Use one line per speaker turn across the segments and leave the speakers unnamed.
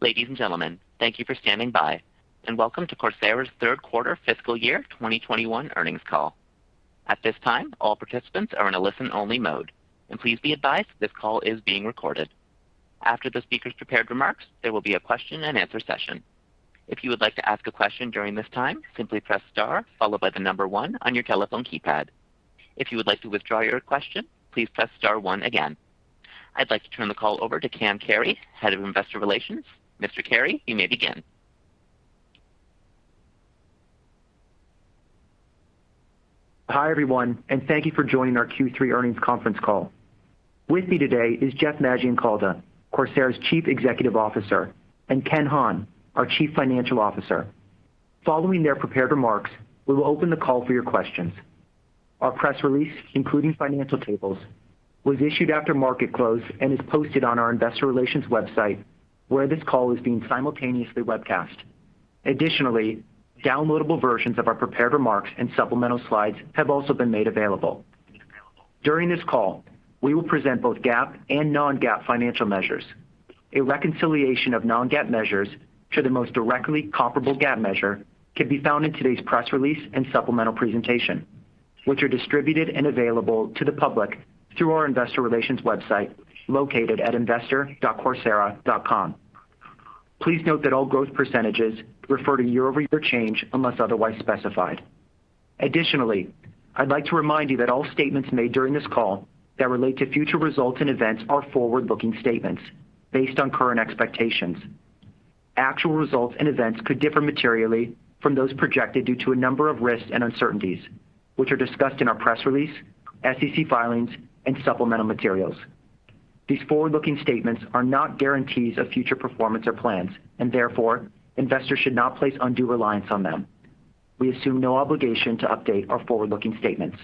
Ladies and gentlemen, thank you for standing by and welcome to Coursera's Q3 fiscal year 2021 earnings call. At this time, all participants are in a listen-only mode. Please be advised this call is being recorded. After the speaker's prepared remarks, there will be a question-and-answer session. If you would like to ask a question during this time, simply press star followed by the number one on your telephone keypad. If you would like to withdraw your question, please press star one again. I'd like to turn the call over to Cam Carey, Head of Investor Relations. Mr. Carey, you may begin.
Hi, everyone, and thank you for joining our Q3 earnings conference call. With me today is Jeff Maggioncalda, Coursera's Chief Executive Officer, and Ken Hahn, our Chief Financial Officer. Following their prepared remarks, we will open the call for your questions. Our press release, including financial tables, was issued after market close and is posted on our investor relations website, where this call is being simultaneously webcast. Additionally, downloadable versions of our prepared remarks and supplemental slides have also been made available. During this call, we will present both GAAP and non-GAAP financial measures. A reconciliation of non-GAAP measures to the most directly comparable GAAP measure can be found in today's press release and supplemental presentation, which are distributed and available to the public through our investor relations website located at investor.coursera.com. Please note that all growth percentages refer to year-over-year change unless otherwise specified. Additionally, I'd like to remind you that all statements made during this call that relate to future results and events are forward-looking statements based on current expectations. Actual results and events could differ materially from those projected due to a number of risks and uncertainties, which are discussed in our press release, SEC filings, and supplemental materials. These forward-looking statements are not guarantees of future performance or plans, and therefore investors should not place undue reliance on them. We assume no obligation to update our forward-looking statements.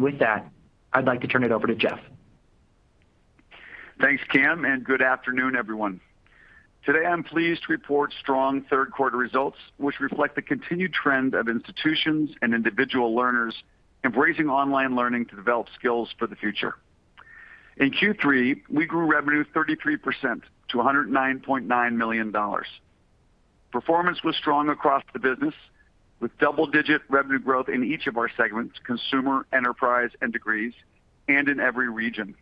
With that, I'd like to turn it over to Jeff.
Thanks, Cam, and good afternoon, everyone. Today, I'm pleased to report strong Q3 results, which reflect the continued trend of institutions and individual learners embracing online learning to develop skills for the future. In Q3, we grew revenue 33% to $109.9 million. Performance was strong across the business with double-digit revenue growth in each of our segments, Consumer, Enterprise, and Degrees, and in every region.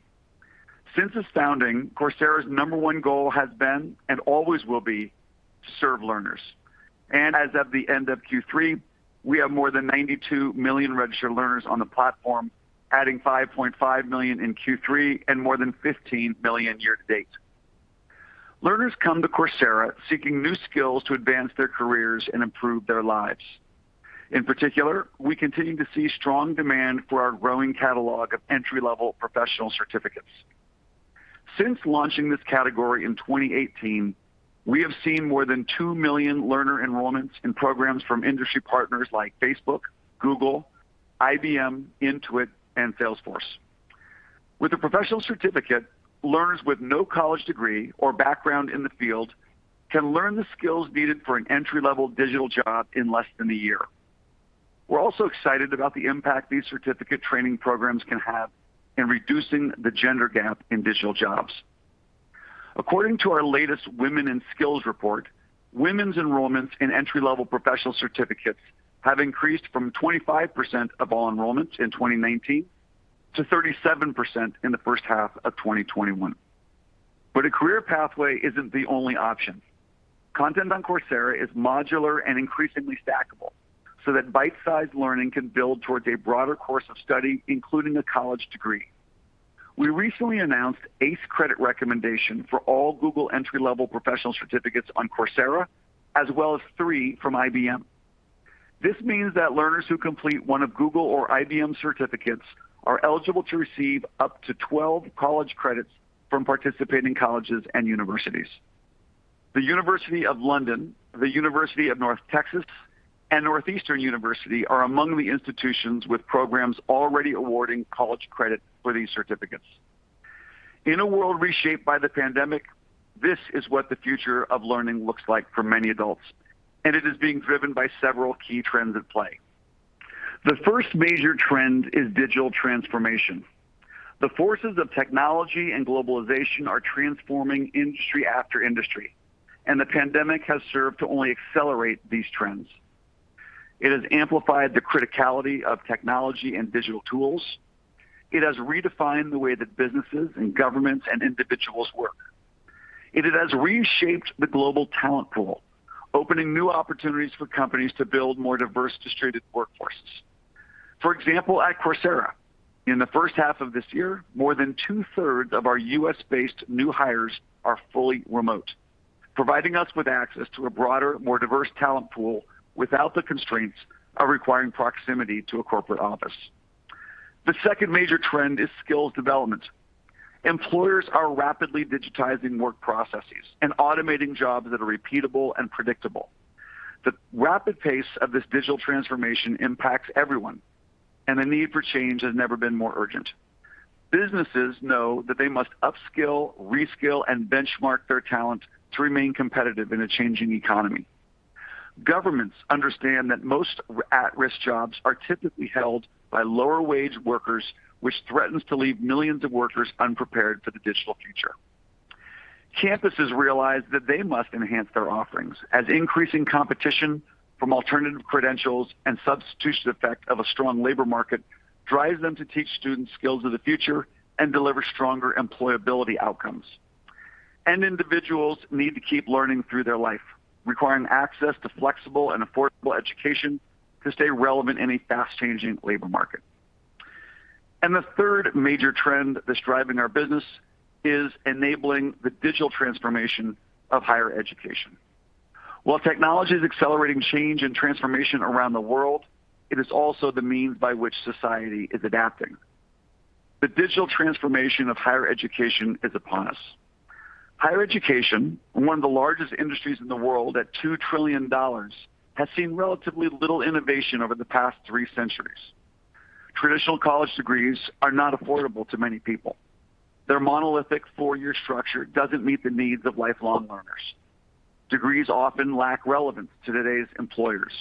Since its founding, Coursera's number one goal has been, and always will be, to serve learners. As of the end of Q3, we have more than 92 million registered learners on the platform, adding 5.5 million in Q3 and more than 15 million year to date. Learners come to Coursera seeking new skills to advance their careers and improve their lives. In particular, we continue to see strong demand for our growing catalog of entry-level professional certificates. Since launching this category in 2018, we have seen more than 2 million learner enrollments in programs from industry partners like Facebook, Google, IBM, Intuit, and Salesforce. With a professional certificate, learners with no college degree or background in the field can learn the skills needed for an entry-level digital job in less than a year. We're also excited about the impact these certificate training programs can have in reducing the gender gap in digital jobs. According to our latest Women in Skills report, women's enrollments in entry-level professional certificates have increased from 25% of all enrollments in 2019 to 37% in the first half of 2021. A career pathway isn't the only option. Content on Coursera is modular and increasingly stackable, so that bite-sized learning can build towards a broader course of study, including a college degree. We recently announced ACE Credit recommendation for all Google entry-level professional certificates on Coursera, as well as three from IBM. This means that learners who complete one of Google or IBM certificates are eligible to receive up to 12 college credits from participating colleges and universities. The University of London, the University of North Texas, and Northeastern University are among the institutions with programs already awarding college credit for these certificates. In a world reshaped by the pandemic, this is what the future of learning looks like for many adults, and it is being driven by several key trends at play. The first major trend is digital transformation. The forces of technology and globalization are transforming industry after industry, and the pandemic has served to only accelerate these trends. It has amplified the criticality of technology and digital tools. It has redefined the way that businesses and governments and individuals work. It has reshaped the global talent pool, opening new opportunities for companies to build more diverse distributed workforces. For example, at Coursera, in the first half of this year, more than 2/3 of our U.S.-based new hires are fully remote, providing us with access to a broader, more diverse talent pool without the constraints of requiring proximity to a corporate office. The second major trend is skills development. Employers are rapidly digitizing work processes and automating jobs that are repeatable and predictable. The rapid pace of this digital transformation impacts everyone, and the need for change has never been more urgent. Businesses know that they must upskill, reskill, and benchmark their talent to remain competitive in a changing economy. Governments understand that most at-risk jobs are typically held by lower-wage workers, which threatens to leave millions of workers unprepared for the digital future. Campuses realize that they must enhance their offerings as increasing competition from alternative credentials and substitution effect of a strong labor market drives them to teach students skills of the future and deliver stronger employability outcomes. Individuals need to keep learning through their life, requiring access to flexible and affordable education to stay relevant in a fast-changing labor market. The third major trend that's driving our business is enabling the digital transformation of higher education. While technology is accelerating change and transformation around the world, it is also the means by which society is adapting. The digital transformation of higher education is upon us. Higher education, one of the largest industries in the world at $2 trillion, has seen relatively little innovation over the past three centuries. Traditional college degrees are not affordable to many people. Their monolithic four-year structure doesn't meet the needs of lifelong learners. Degrees often lack relevance to today's employers.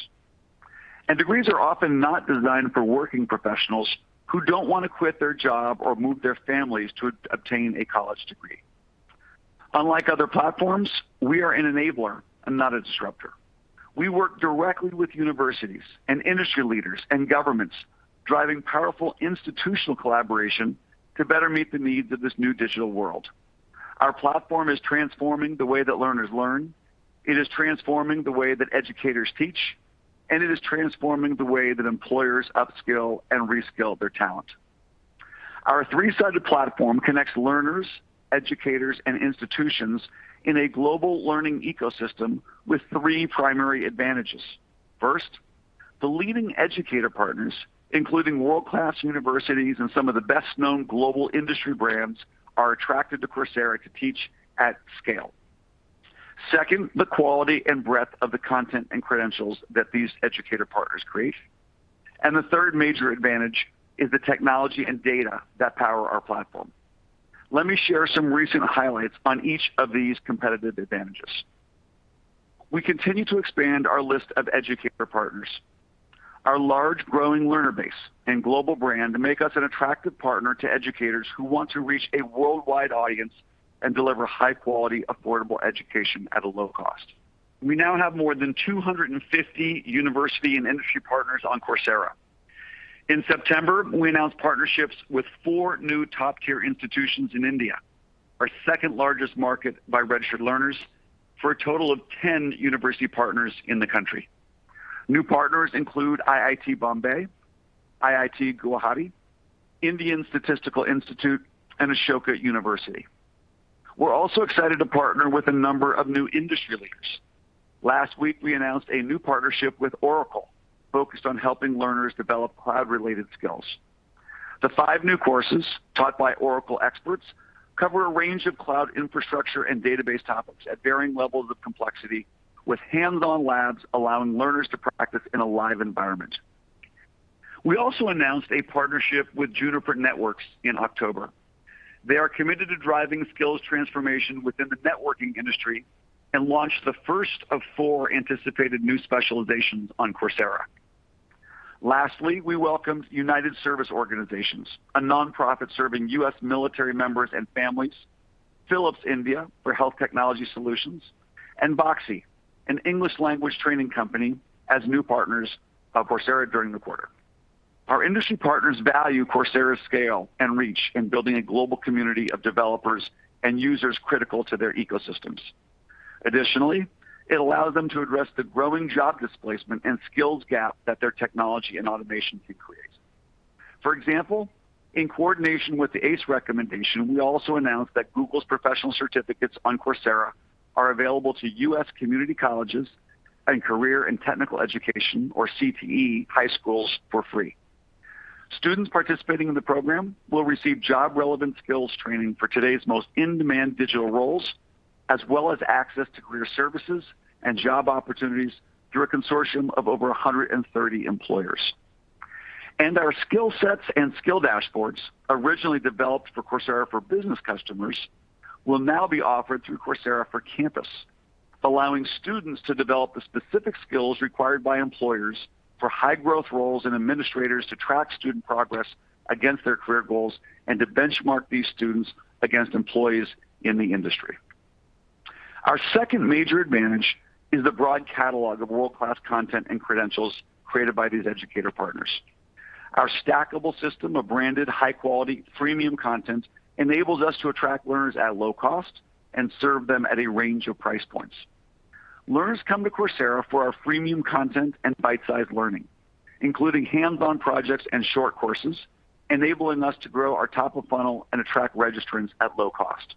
Degrees are often not designed for working professionals who don't wanna quit their job or move their families to obtain a college degree. Unlike other platforms, we are an enabler and not a disruptor. We work directly with universities and industry leaders and governments, driving powerful institutional collaboration to better meet the needs of this new digital world. Our platform is transforming the way that learners learn. It is transforming the way that educators teach. It is transforming the way that employers upskill and reskill their talent. Our three-sided platform connects learners, educators, and institutions in a global learning ecosystem with three primary advantages. First, the leading educator partners, including world-class universities and some of the best-known global industry brands, are attracted to Coursera to teach at scale. Second, the quality and breadth of the content and credentials that these educator partners create. The third major advantage is the technology and data that power our platform. Let me share some recent highlights on each of these competitive advantages. We continue to expand our list of educator partners. Our large growing learner base and global brand make us an attractive partner to educators who want to reach a worldwide audience and deliver high-quality, affordable education at a low cost. We now have more than 250 university and industry partners on Coursera. In September, we announced partnerships with four new top-tier institutions in India, our second-largest market by registered learners, for a total of 10 university partners in the country. New partners include IIT Bombay, IIT Guwahati, Indian Statistical Institute, and Ashoka University. We're also excited to partner with a number of new industry leaders. Last week, we announced a new partnership with Oracle focused on helping learners develop cloud-related skills. The five new courses taught by Oracle experts cover a range of Cloud infrastructure and database topics at varying levels of complexity, with hands-on labs allowing learners to practice in a live environment. We also announced a partnership with Juniper Networks in October. They are committed to driving skills transformation within the networking industry and launched the first of four anticipated new specializations on Coursera. Lastly, we welcomed United Service Organizations, a nonprofit serving U.S. military members and families, Philips India for health technology solutions, and Voxy, an English language training company, as new partners of Coursera during the quarter. Our industry partners value Coursera's scale and reach in building a global community of developers and users critical to their ecosystems. Additionally, it allows them to address the growing job displacement and skills gap that their technology and automation can create. For example, in coordination with the ACE recommendation, we also announced that Google's professional certificates on Coursera are available to U.S. community colleges and career and technical education or CTE high schools for free. Students participating in the program will receive job-relevant skills training for today's most in-demand digital roles, as well as access to career services and job opportunities through a consortium of over 130 employers. Our skill sets and skill dashboards, originally developed for Coursera for Business customers, will now be offered through Coursera for Campus, allowing students to develop the specific skills required by employers for high-growth roles and administrators to track student progress against their career goals and to benchmark these students against employees in the industry. Our second major advantage is the broad catalog of world-class content and credentials created by these educator partners. Our stackable system of branded high-quality freemium content enables us to attract learners at low cost and serve them at a range of price points. Learners come to Coursera for our freemium content and bite-sized learning, including hands-on projects and short courses, enabling us to grow our top-of-funnel and attract registrants at low cost.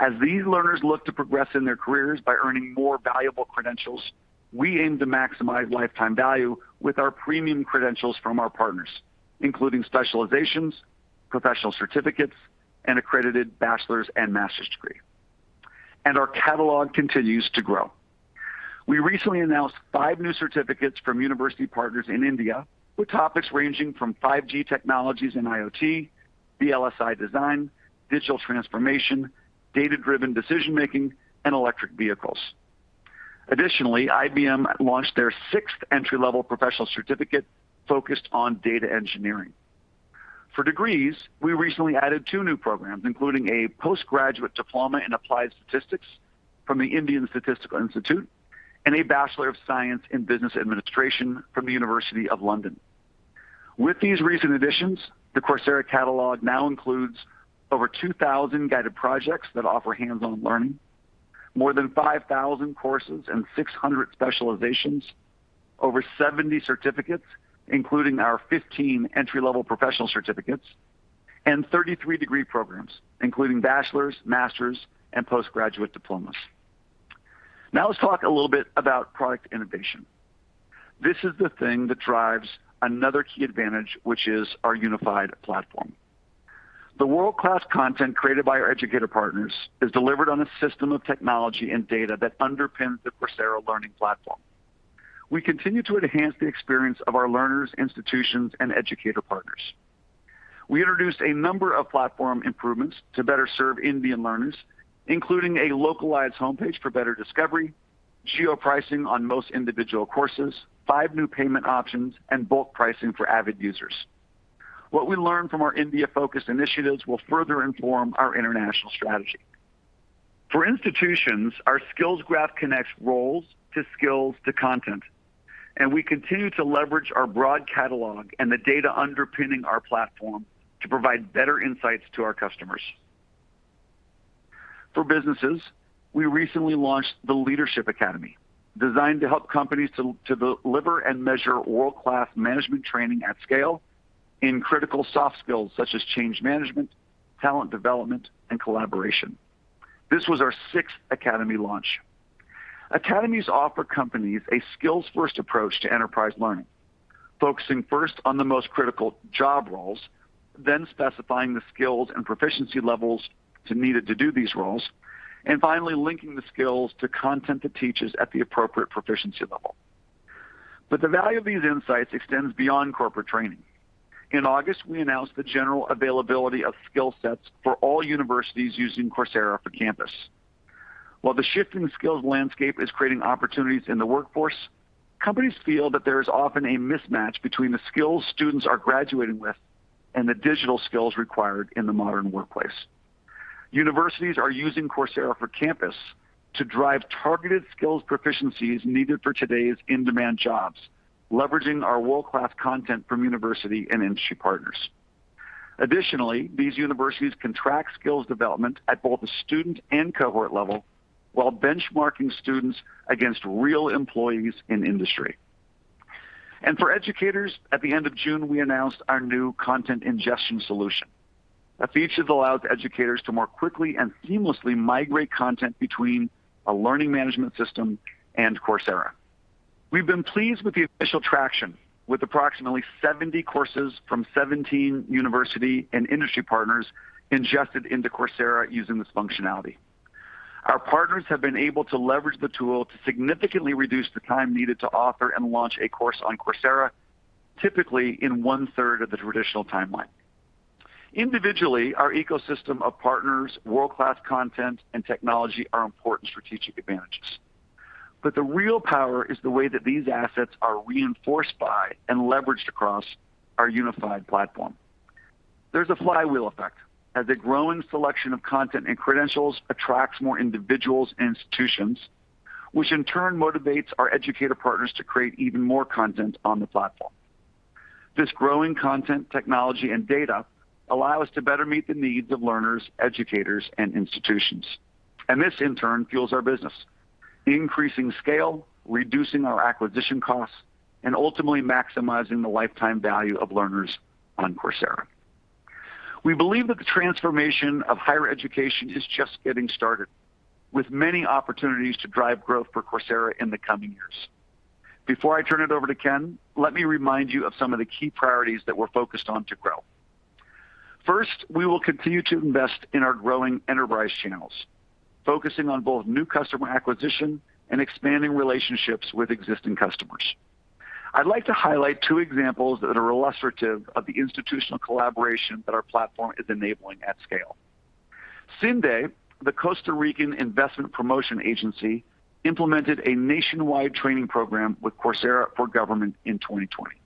As these learners look to progress in their careers by earning more valuable credentials, we aim to maximize lifetime value with our premium credentials from our partners, including specializations, professional certificates, and accredited bachelor's and master's degree. Our catalog continues to grow. We recently announced five new certificates from university partners in India, with topics ranging from 5G technologies and IoT, VLSI design, digital transformation, data-driven decision-making, and electric vehicles. Additionally, IBM launched their sixth entry-level professional certificate focused on data engineering. For degrees, we recently added two new programs, including a postgraduate diploma in applied statistics from the Indian Statistical Institute and a Bachelor of Science in Business Administration from the University of London. With these recent additions, the Coursera catalog now includes over 2,000 guided projects that offer hands-on learning. More than 5,000 courses and 600 specializations, over 70 certificates, including our 15 entry-level professional certificates, and 33 degree programs, including bachelor's, master's, and postgraduate diplomas. Now let's talk a little bit about product innovation. This is the thing that drives another key advantage, which is our unified platform. The world-class content created by our educator partners is delivered on a system of technology and data that underpins the Coursera learning platform. We continue to enhance the experience of our learners, institutions, and educator partners. We introduced a number of platform improvements to better serve Indian learners, including a localized homepage for better discovery, geo-pricing on most individual courses, five new payment options, and bulk pricing for avid users. What we learn from our India-focused initiatives will further inform our international strategy. For institutions, our skills graph connects roles to skills to content, and we continue to leverage our broad catalog and the data underpinning our platform to provide better insights to our customers. For businesses, we recently launched the Leadership Academy, designed to help companies deliver and measure world-class management training at scale in critical soft skills such as change management, talent development, and collaboration. This was our sixth academy launch. Academies offer companies a skills-first approach to enterprise learning, focusing first on the most critical job roles, then specifying the skills and proficiency levels needed to do these roles, and finally linking the skills to content that teaches at the appropriate proficiency level. The value of these insights extends beyond corporate training. In August, we announced the general availability of skill sets for all universities using Coursera for Campus. While the shift in skills landscape is creating opportunities in the workforce, companies feel that there is often a mismatch between the skills students are graduating with and the digital skills required in the modern workplace. Universities are using Coursera for Campus to drive targeted skills proficiencies needed for today's in-demand jobs, leveraging our world-class content from university and industry partners. Additionally, these universities can track skills development at both the student and cohort level while benchmarking students against real employees in industry. For educators, at the end of June, we announced our new content ingestion solution, a feature that allows educators to more quickly and seamlessly migrate content between a learning management system and Coursera. We've been pleased with the initial traction with approximately 70 courses from 17 university and industry partners ingested into Coursera using this functionality. Our partners have been able to leverage the tool to significantly reduce the time needed to author and launch a course on Coursera, typically in 1/3of the traditional timeline. Individually, our ecosystem of partners, world-class content, and technology are important strategic advantages. The real power is the way that these assets are reinforced by and leveraged across our unified platform. There's a flywheel effect as a growing selection of content and credentials attracts more individuals, institutions, which in turn motivates our educator partners to create even more content on the platform. This growing content, technology, and data allow us to better meet the needs of learners, educators, and institutions. This, in turn, fuels our business, increasing scale, reducing our acquisition costs, and ultimately maximizing the lifetime value of learners on Coursera. We believe that the transformation of higher education is just getting started, with many opportunities to drive growth for Coursera in the coming years. Before I turn it over to Ken, let me remind you of some of the key priorities that we're focused on to grow. First, we will continue to invest in our growing enterprise channels, focusing on both new customer acquisition and expanding relationships with existing customers. I'd like to highlight two examples that are illustrative of the institutional collaboration that our platform is enabling at scale. CINDE, the Costa Rican Investment Promotion Agency, implemented a nationwide training program with Coursera for Government in 2020.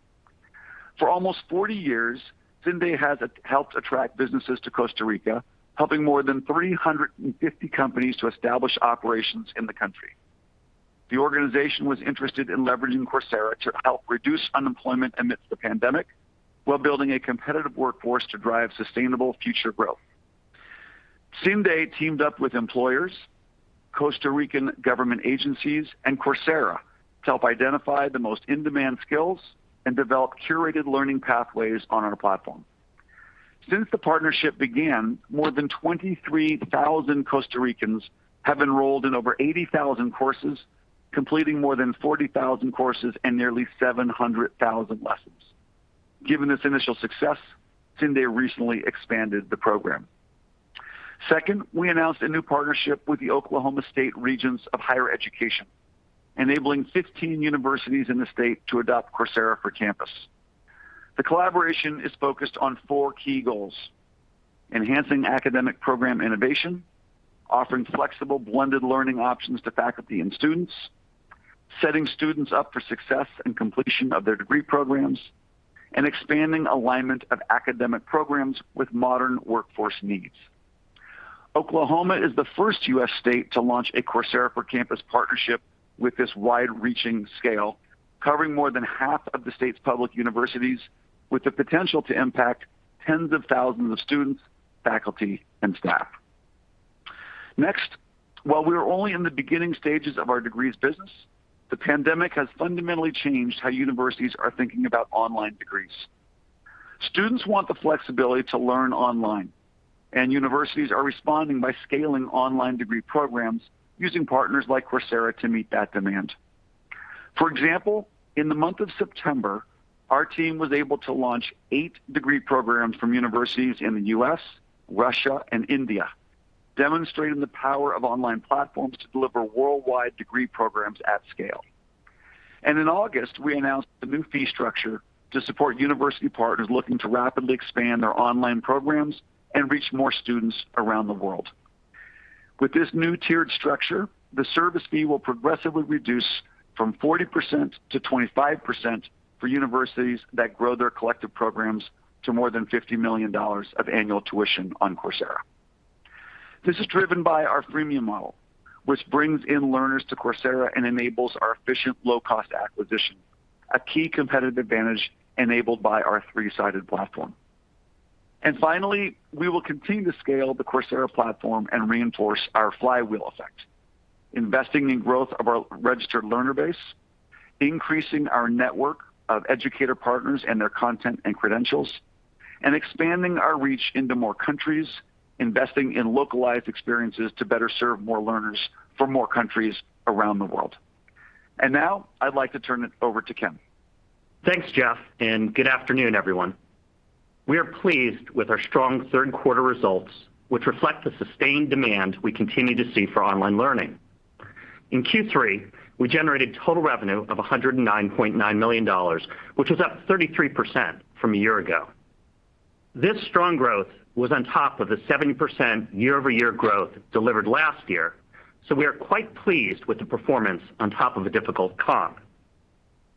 For almost 40 years, CINDE has helped attract businesses to Costa Rica, helping more than 350 companies to establish operations in the country. The organization was interested in leveraging Coursera to help reduce unemployment amidst the pandemic while building a competitive workforce to drive sustainable future growth. CINDE teamed up with employers, Costa Rican government agencies, and Coursera to help identify the most in-demand skills and develop curated learning pathways on our platform. Since the partnership began, more than 23,000 Costa Ricans have enrolled in over 80,000 courses, completing more than 40,000 courses and nearly 700,000 lessons. Given this initial success, CINDE recently expanded the program. Second, we announced a new partnership with the Oklahoma State Regents for Higher Education, enabling 15 universities in the state to adopt Coursera for Campus. The collaboration is focused on four key goals, enhancing academic program innovation, offering flexible blended learning options to faculty and students, setting students up for success and completion of their degree programs, and expanding alignment of academic programs with modern workforce needs. Oklahoma is the first U.S. state to launch a Coursera for Campus partnership with this wide-reaching scale, covering more than half of the state's public universities with the potential to impact tens of thousands of students, faculty, and staff. Next, while we are only in the beginning stages of our degrees business, the pandemic has fundamentally changed how universities are thinking about online degrees. Students want the flexibility to learn online, and universities are responding by scaling online degree programs using partners like Coursera to meet that demand. For example, in the month of September, our team was able to launch eight degree programs from universities in the U.S., Russia, and India, demonstrating the power of online platforms to deliver worldwide degree programs at scale. In August, we announced a new fee structure to support university partners looking to rapidly expand their online programs and reach more students around the world. With this new tiered structure, the service fee will progressively reduce from 40% to 25% for universities that grow their collective programs to more than $50 million of annual tuition on Coursera. This is driven by our freemium model, which brings in learners to Coursera and enables our efficient, low-cost acquisition, a key competitive advantage enabled by our three-sided platform. Finally, we will continue to scale the Coursera platform and reinforce our flywheel effect, investing in growth of our registered learner base, increasing our network of educator partners and their content and credentials, and expanding our reach into more countries, investing in localized experiences to better serve more learners in more countries around the world. Now I'd like to turn it over to Ken.
Thanks, Jeff, and good afternoon, everyone. We are pleased with our strong Q3 results, which reflect the sustained demand we continue to see for online learning. In Q3, we generated total revenue of $109.9 million, which was up 33% from a year ago. This strong growth was on top of the 70% year-over-year growth delivered last year. We are quite pleased with the performance on top of a difficult comp.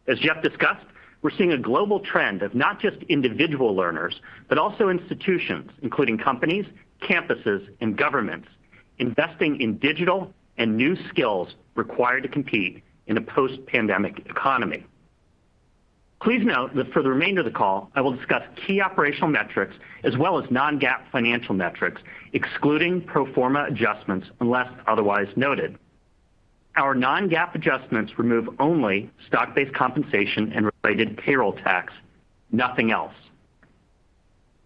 As Jeff discussed, we're seeing a global trend of not just individual learners, but also institutions, including companies, campuses and governments, investing in digital and new skills required to compete in a post-pandemic economy. Please note that for the remainder of the call, I will discuss key operational metrics as well as non-GAAP financial metrics, excluding pro forma adjustments unless otherwise noted. Our non-GAAP adjustments remove only stock-based compensation and related payroll tax. Nothing else.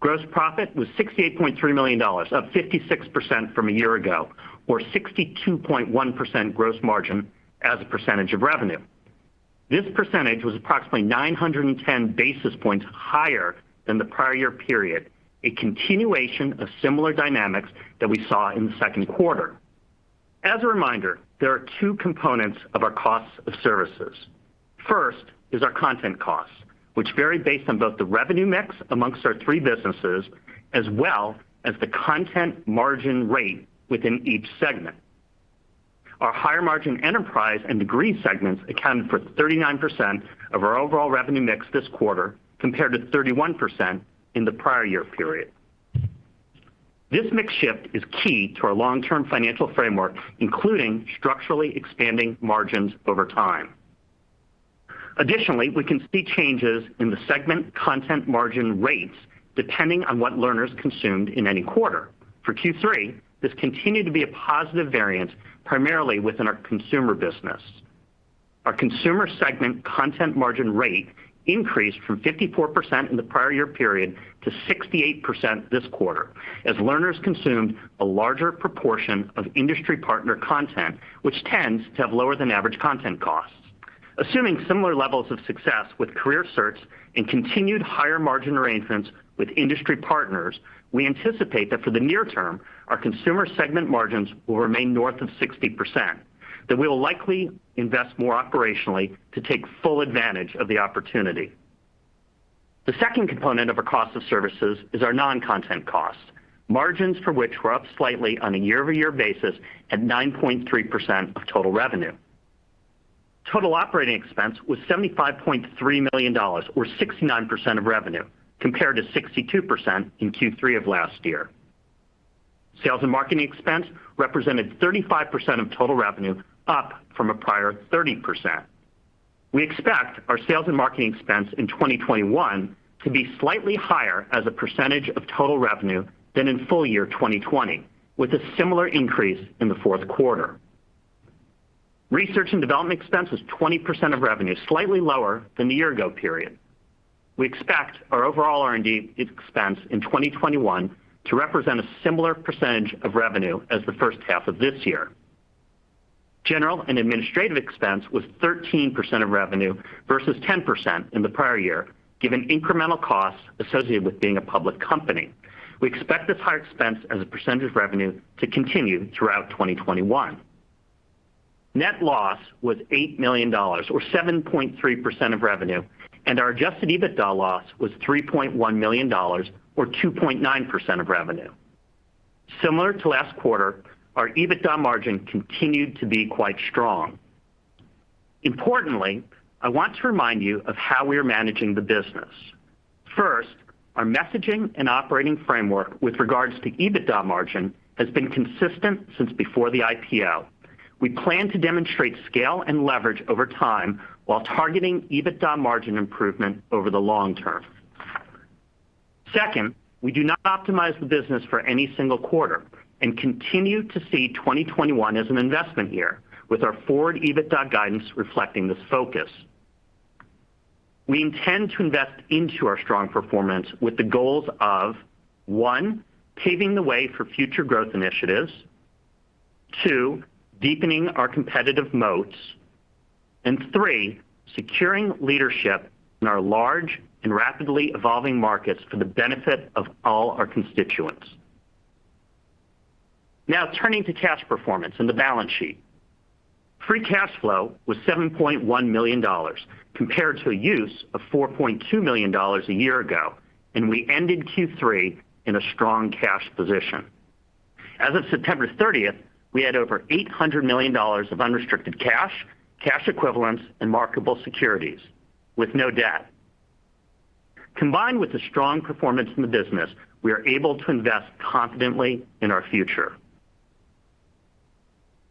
Gross profit was $68.3 million, up 56% from a year ago, or 62.1% gross margin as a percentage of revenue. This percentage was approximately 910 basis points higher than the prior year period, a continuation of similar dynamics that we saw in the Q2. As a reminder, there are two components of our cost of services. First is our content costs, which vary based on both the revenue mix amongst our three businesses, as well as the content margin rate within each segment. Our higher margin enterprise and degree segments accounted for 39% of our overall revenue mix this quarter, compared to 31% in the prior year period. This mix shift is key to our long term financial framework, including structurally expanding margins over time. Additionally, we can see changes in the segment content margin rates depending on what learners consumed in any quarter. For Q3, this continued to be a positive variance primarily within our consumer business. Our consumer segment content margin rate increased from 54% in the prior year period to 68% this quarter. As learners consumed a larger proportion of industry partner content, which tends to have lower than average content costs. Assuming similar levels of success with career certs and continued higher margin arrangements with industry partners, we anticipate that for the near term, our consumer segment margins will remain north of 60%, that we will likely invest more operationally to take full advantage of the opportunity. The second component of our cost of services is our non-content costs, margins for which were up slightly on a year-over-year basis at 9.3% of total revenue. Total operating expense was $75.3 million, or 69% of revenue, compared to 62% in Q3 of last year. Sales and marketing expense represented 35% of total revenue, up from a prior 30%. We expect our sales and marketing expense in 2021 to be slightly higher as a percentage of total revenue than in full year 2020, with a similar increase in the Q4. Research and development expense was 20% of revenue, slightly lower than the year ago period. We expect our overall R&D expense in 2021 to represent a similar percentage of revenue as the first half of this year. General and administrative expense was 13% of revenue versus 10% in the prior year given incremental costs associated with being a public company. We expect this higher expense as a percentage of revenue to continue throughout 2021. Net loss was $8 million or 7.3% of revenue, and our Adjusted EBITDA loss was $3.1 million or 2.9% of revenue. Similar to last quarter, our EBITDA margin continued to be quite strong. Importantly, I want to remind you of how we are managing the business. First, our messaging and operating framework with regards to EBITDA margin has been consistent since before the IPO. We plan to demonstrate scale and leverage over time while targeting EBITDA margin improvement over the long term. Second, we do not optimize the business for any single quarter and continue to see 2021 as an investment year with our forward EBITDA guidance reflecting this focus. We intend to invest into our strong performance with the goals of, one: paving the way for future growth initiatives. two: deepening our competitive moats. three: securing leadership in our large and rapidly evolving markets for the benefit of all our constituents. Now, turning to cash performance and the balance sheet. Free Cash Flow was $7.1 million compared to a use of $4.2 million a year ago, and we ended Q3 in a strong cash position. As of 30 September, we had over $800 million of unrestricted cash equivalents, and marketable securities with no debt. Combined with the strong performance in the business, we are able to invest confidently in our future.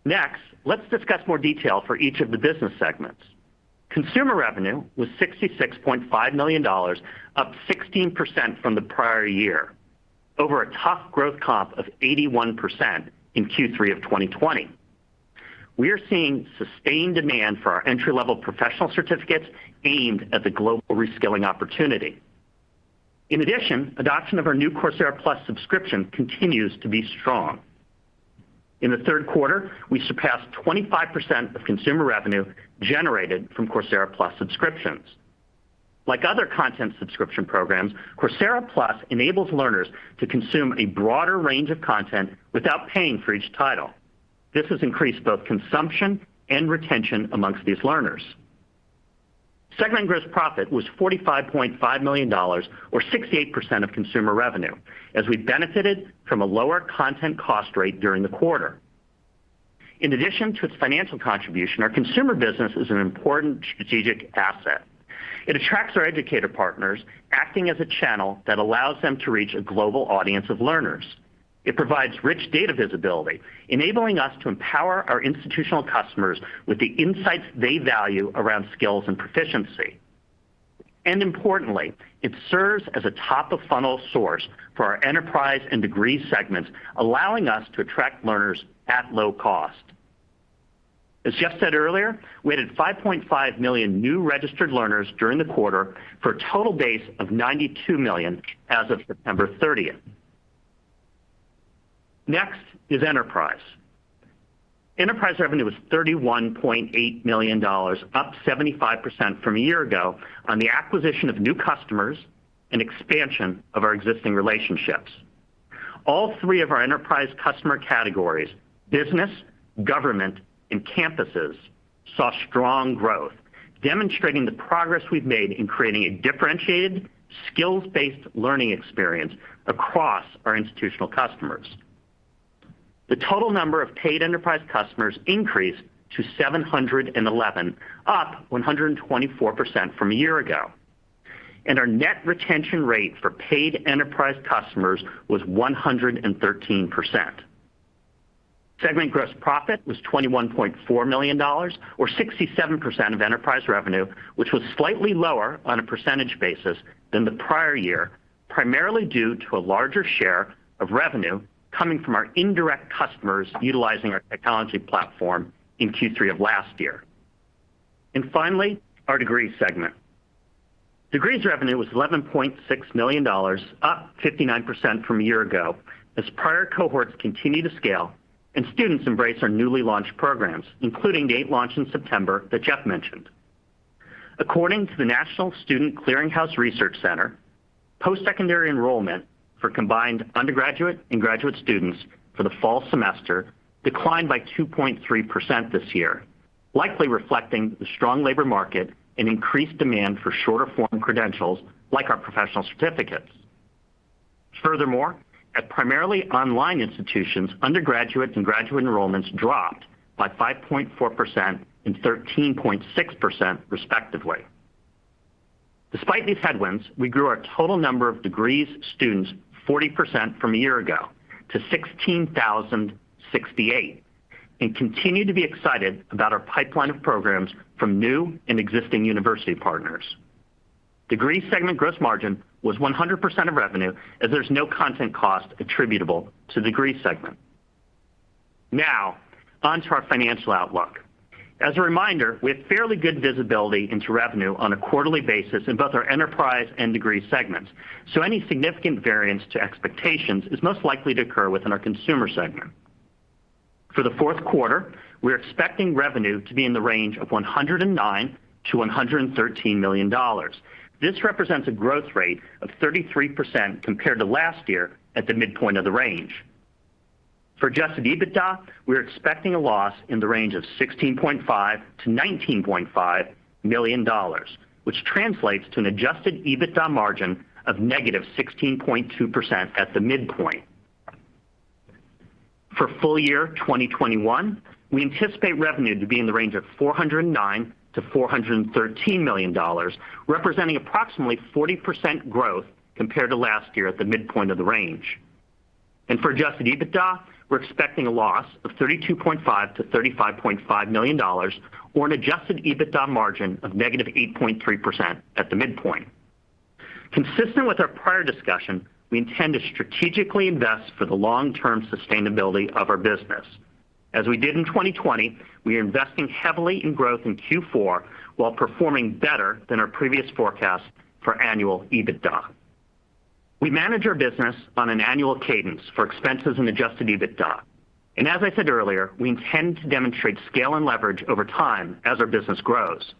Next, let's discuss more detail for each of the business segments. Consumer revenue was $66.5 million, up 16% from the prior year, over a tough growth comp of 81% in Q3 of 2020. We are seeing sustained demand for our entry-level professional certificates aimed at the global reskilling opportunity. In addition, adoption of our new Coursera Plus subscription continues to be strong. In the Q3, we surpassed 25% of consumer revenue generated from Coursera Plus subscriptions. Like other content subscription programs, Coursera Plus enables learners to consume a broader range of content without paying for each title. This has increased both consumption and retention amongst these learners. Segment gross profit was $45.5 million or 68% of Consumer revenue as we benefited from a lower content cost rate during the quarter. In addition to its financial contribution, our Consumer business is an important strategic asset. It attracts our educator partners, acting as a channel that allows them to reach a global audience of learners. It provides rich data visibility, enabling us to empower our institutional customers with the insights they value around skills and proficiency. Importantly, it serves as a top-of-funnel source for our Enterprise and Degree segments, allowing us to attract learners at low cost. As Jeff said earlier, we added 5.5 million new registered learners during the quarter for a total base of 92 million as of 30 September. Next is Enterprise. Enterprise revenue was $31.8 million, up 75% from a year ago on the acquisition of new customers and expansion of our existing relationships. All three of our enterprise customer categories, business, government, and campuses, saw strong growth, demonstrating the progress we've made in creating a differentiated, skills-based learning experience across our institutional customers. The total number of paid enterprise customers increased to 711, up 124% from a year ago. Our net retention rate for paid enterprise customers was 113%. Enterprise segment gross profit was $21.4 million or 67% of enterprise revenue, which was slightly lower on a percentage basis than the prior year, primarily due to a larger share of revenue coming from our indirect customers utilizing our technology platform in Q3 of last year. Finally, our Degree segment. Degrees revenue was $11.6 million, up 59% from a year ago, as prior cohorts continue to scale and students embrace our newly launched programs, including the 8 launched in September that Jeff mentioned. According to the National Student Clearinghouse Research Center, post-secondary enrollment for combined undergraduate and graduate students for the fall semester declined by 2.3% this year, likely reflecting the strong labor market and increased demand for shorter form credentials like our professional certificates. Furthermore, at primarily online institutions, undergraduate and graduate enrollments dropped by 5.4% and 13.6% respectively. Despite these headwinds, we grew our total number of degrees students 40% from a year ago to 16,068 and continue to be excited about our pipeline of programs from new and existing university partners. Degree segment gross margin was 100% of revenue as there's no content cost attributable to degree segment. Now, onto our financial outlook. As a reminder, we have fairly good visibility into revenue on a quarterly basis in both our enterprise and degree segments. Any significant variance to expectations is most likely to occur within our consumer segment. For the Q4, we're expecting revenue to be in the range of $109 to 113 million. This represents a growth rate of 33% compared to last year at the midpoint of the range. For adjusted EBITDA, we're expecting a loss in the range of $16.5 to 19.5 million, which translates to an adjusted EBITDA margin of -16.2% at the midpoint. For full year 2021, we anticipate revenue to be in the range of $409 to 413 million, representing approximately 40% growth compared to last year at the midpoint of the range. For adjusted EBITDA, we're expecting a loss of $32.5 to 35.5 million or an Adjusted EBITDA margin of -8.3% at the midpoint. Consistent with our prior discussion, we intend to strategically invest for the long-term sustainability of our business. As we did in 2020, we are investing heavily in growth in Q4 while performing better than our previous forecast for annual EBITDA. We manage our business on an annual cadence for expenses and adjusted EBITDA. As I said earlier, we intend to demonstrate scale and leverage over time as our business grows.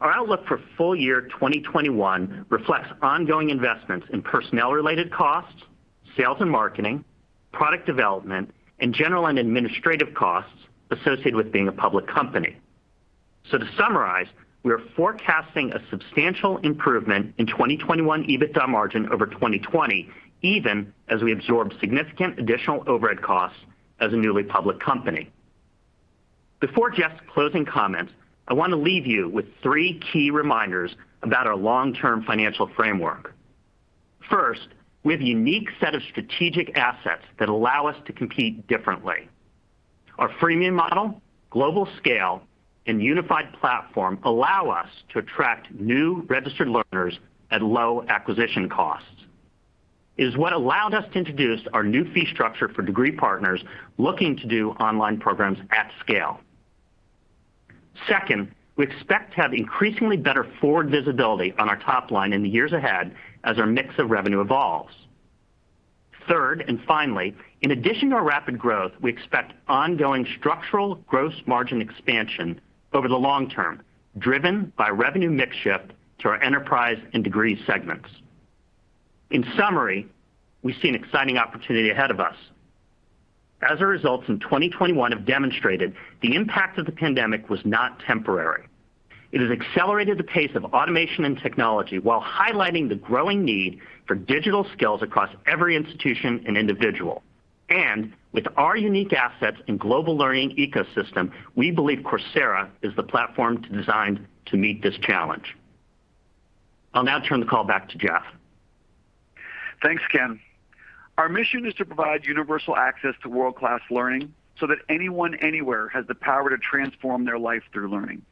Our outlook for full year 2021 reflects ongoing investments in personnel-related costs, sales and marketing, product development, and general and administrative costs associated with being a public company. To summarize, we are forecasting a substantial improvement in 2021 EBITDA margin over 2020, even as we absorb significant additional overhead costs as a newly public company. Before Jeff's closing comments, I want to leave you with three key reminders about our long-term financial framework. First, we have a unique set of strategic assets that allow us to compete differently. Our freemium model, global scale, and unified platform allow us to attract new registered learners at low acquisition costs. It is what allowed us to introduce our new fee structure for degree partners looking to do online programs at scale. Second, we expect to have increasingly better forward visibility on our top line in the years ahead as our mix of revenue evolves. Third, and finally, in addition to our rapid growth, we expect ongoing structural gross margin expansion over the long term, driven by revenue mix shift to our Enterprise and Degree segments. In summary, we see an exciting opportunity ahead of us. As our results in 2021 have demonstrated, the impact of the pandemic was not temporary. It has accelerated the pace of automation and technology while highlighting the growing need for digital skills across every institution and individual. With our unique assets and global learning ecosystem, we believe Coursera is the platform designed to meet this challenge. I'll now turn the call back to Jeff.
Thanks, Ken. Our mission is to provide universal access to world-class learning so that anyone, anywhere has the power to transform their life through learning.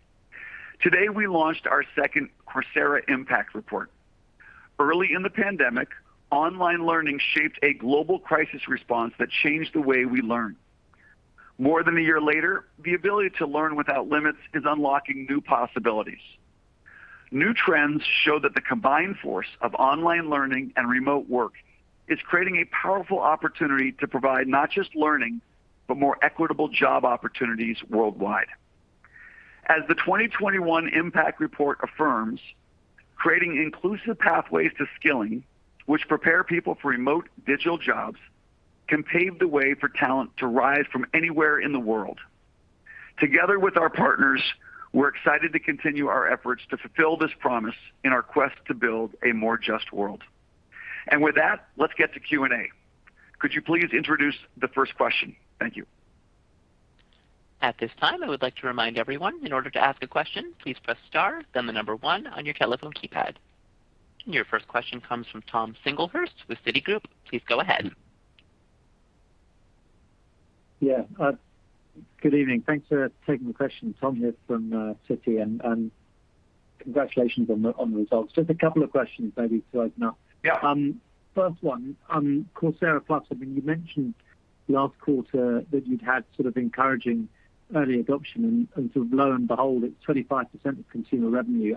Today, we launched our second Coursera Impact Report. Early in the pandemic, online learning shaped a global crisis response that changed the way we learn. More than a year later, the ability to learn without limits is unlocking new possibilities. New trends show that the combined force of online learning and remote work is creating a powerful opportunity to provide not just learning, but more equitable job opportunities worldwide. As the 2021 Impact Report affirms, creating inclusive pathways to skilling, which prepare people for remote digital jobs, can pave the way for talent to rise from anywhere in the world. Together with our partners, we're excited to continue our efforts to fulfill this promise in our quest to build a more just world. With that, let's get to Q&A. Could you please introduce the first question? Thank you.
At this time, I would like to remind everyone, in order to ask a question, please press star, then the number one on your telephone keypad. Your first question comes from Thomas Singlehurst with Citigroup. Please go ahead.
Yeah. Good evening. Thanks for taking the question Tom here from Citi, and congratulations on the results. Just a couple of questions maybe to open up. Yeah. First one, Coursera Plus. I mean, you mentioned last quarter that you'd had sort of encouraging early adoption and sort of lo and behold, it's 25% of consumer revenue.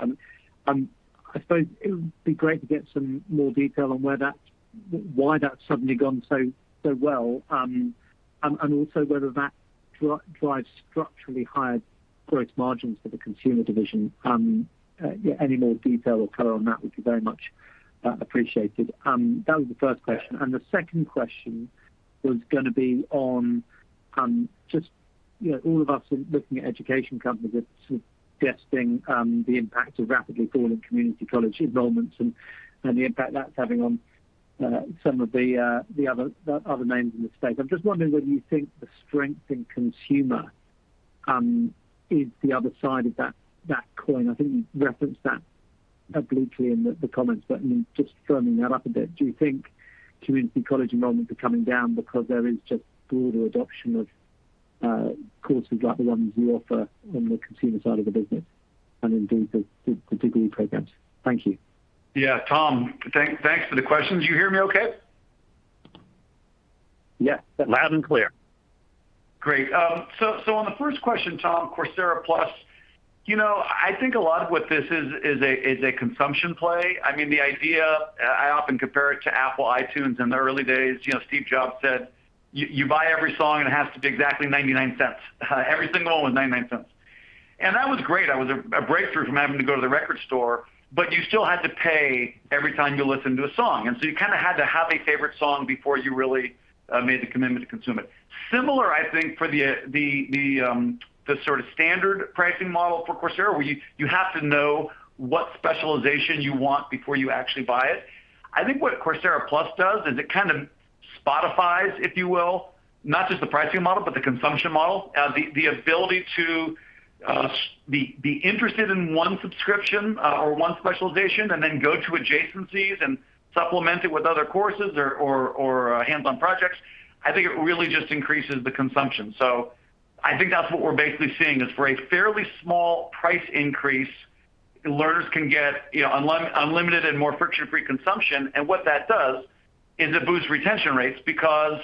I suppose it would be great to get some more detail on why that's suddenly gone so well. And also whether that drives structurally higher gross margins for the consumer division. Yeah, any more detail or color on that would be very much appreciated. That was the first question the second question was gonna be on, just, you know, all of us looking at education companies are suggesting the impact of rapidly falling community college enrollments and the impact that's having on some of the other names in the space i'm just wondering whether you think the strength in consumer. Is the other side of that coin i think you referenced that obliquely in the comments, but I mean, just firming that up a bit do you think? community college enrollments are coming down because there is just broader adoption of courses like the ones you offer on the consumer side of the business? and indeed the degree programs? Thank you.
Yeah. Tom, thanks for the questions. You hear me okay?
Yeah. Loud and clear.
Great. So on the first question, Tom, Coursera Plus, you know, I think a lot of what this is a consumption play. I mean, the idea, I often compare it to Apple iTunes in the early days. You know, Steve Jobs said. You buy every song, and it has to be exactly $0.99. Every single one, $0.99. That was great. That was a breakthrough from having to go to the record store, but you still had to pay every time you listened to a song you kinda had to have a favorite song before you really made the commitment to consume it. Similar, I think, for the sort of standard pricing model for Coursera, where you have to know what specialization you want before you actually buy it. I think what Coursera Plus does is it kind of Spotify-fies, if you will, not just the pricing model, but the consumption model. The ability to be interested in one subscription or one specialization, and then go to adjacencies and supplement it with other courses or hands-on projects, I think it really just increases the consumption. I think that's what we're basically seeing, is for a fairly small price increase, learners can get, you know, unlimited and more friction-free consumption. What that does is it boosts retention rates because,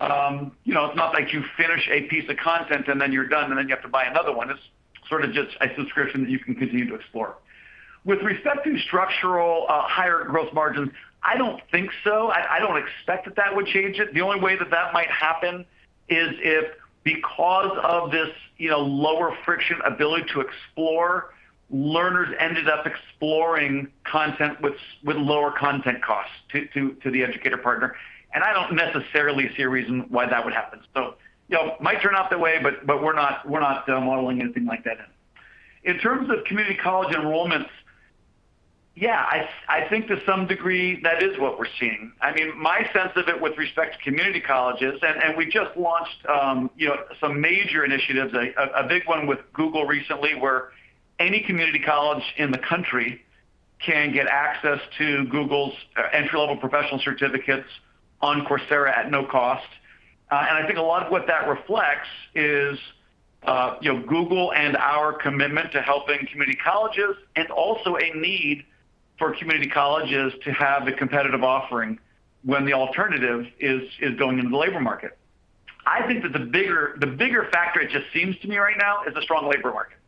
you know, it's not like you finish a piece of content, and then you're done, and then you have to buy another one. It's sort of just a subscription that you can continue to explore. With respect to structural higher growth margins, I don't think so i don't expect that would change it the only way that might happen is if, because of this, you know, lower friction ability to explore, learners ended up exploring content with lower content costs to the educator partner. I don't necessarily see a reason why that would happen. You know, it might turn out that way, but we're not modeling anything like that in. In terms of community college enrollments, yeah, I think to some degree that is what we're seeing. I mean, my sense of it with respect to community colleges, and we just launched, you know, some major initiatives, a big one with Google recently, where any community college in the country can get access to Google's entry-level professional certificates on Coursera at no cost. I think a lot of what that reflects is, you know, Google and our commitment to helping community colleges and also a need for community colleges to have the competitive offering when the alternative is going into the labor market. I think that the bigger factor, it just seems to me right now, is the strong labor market.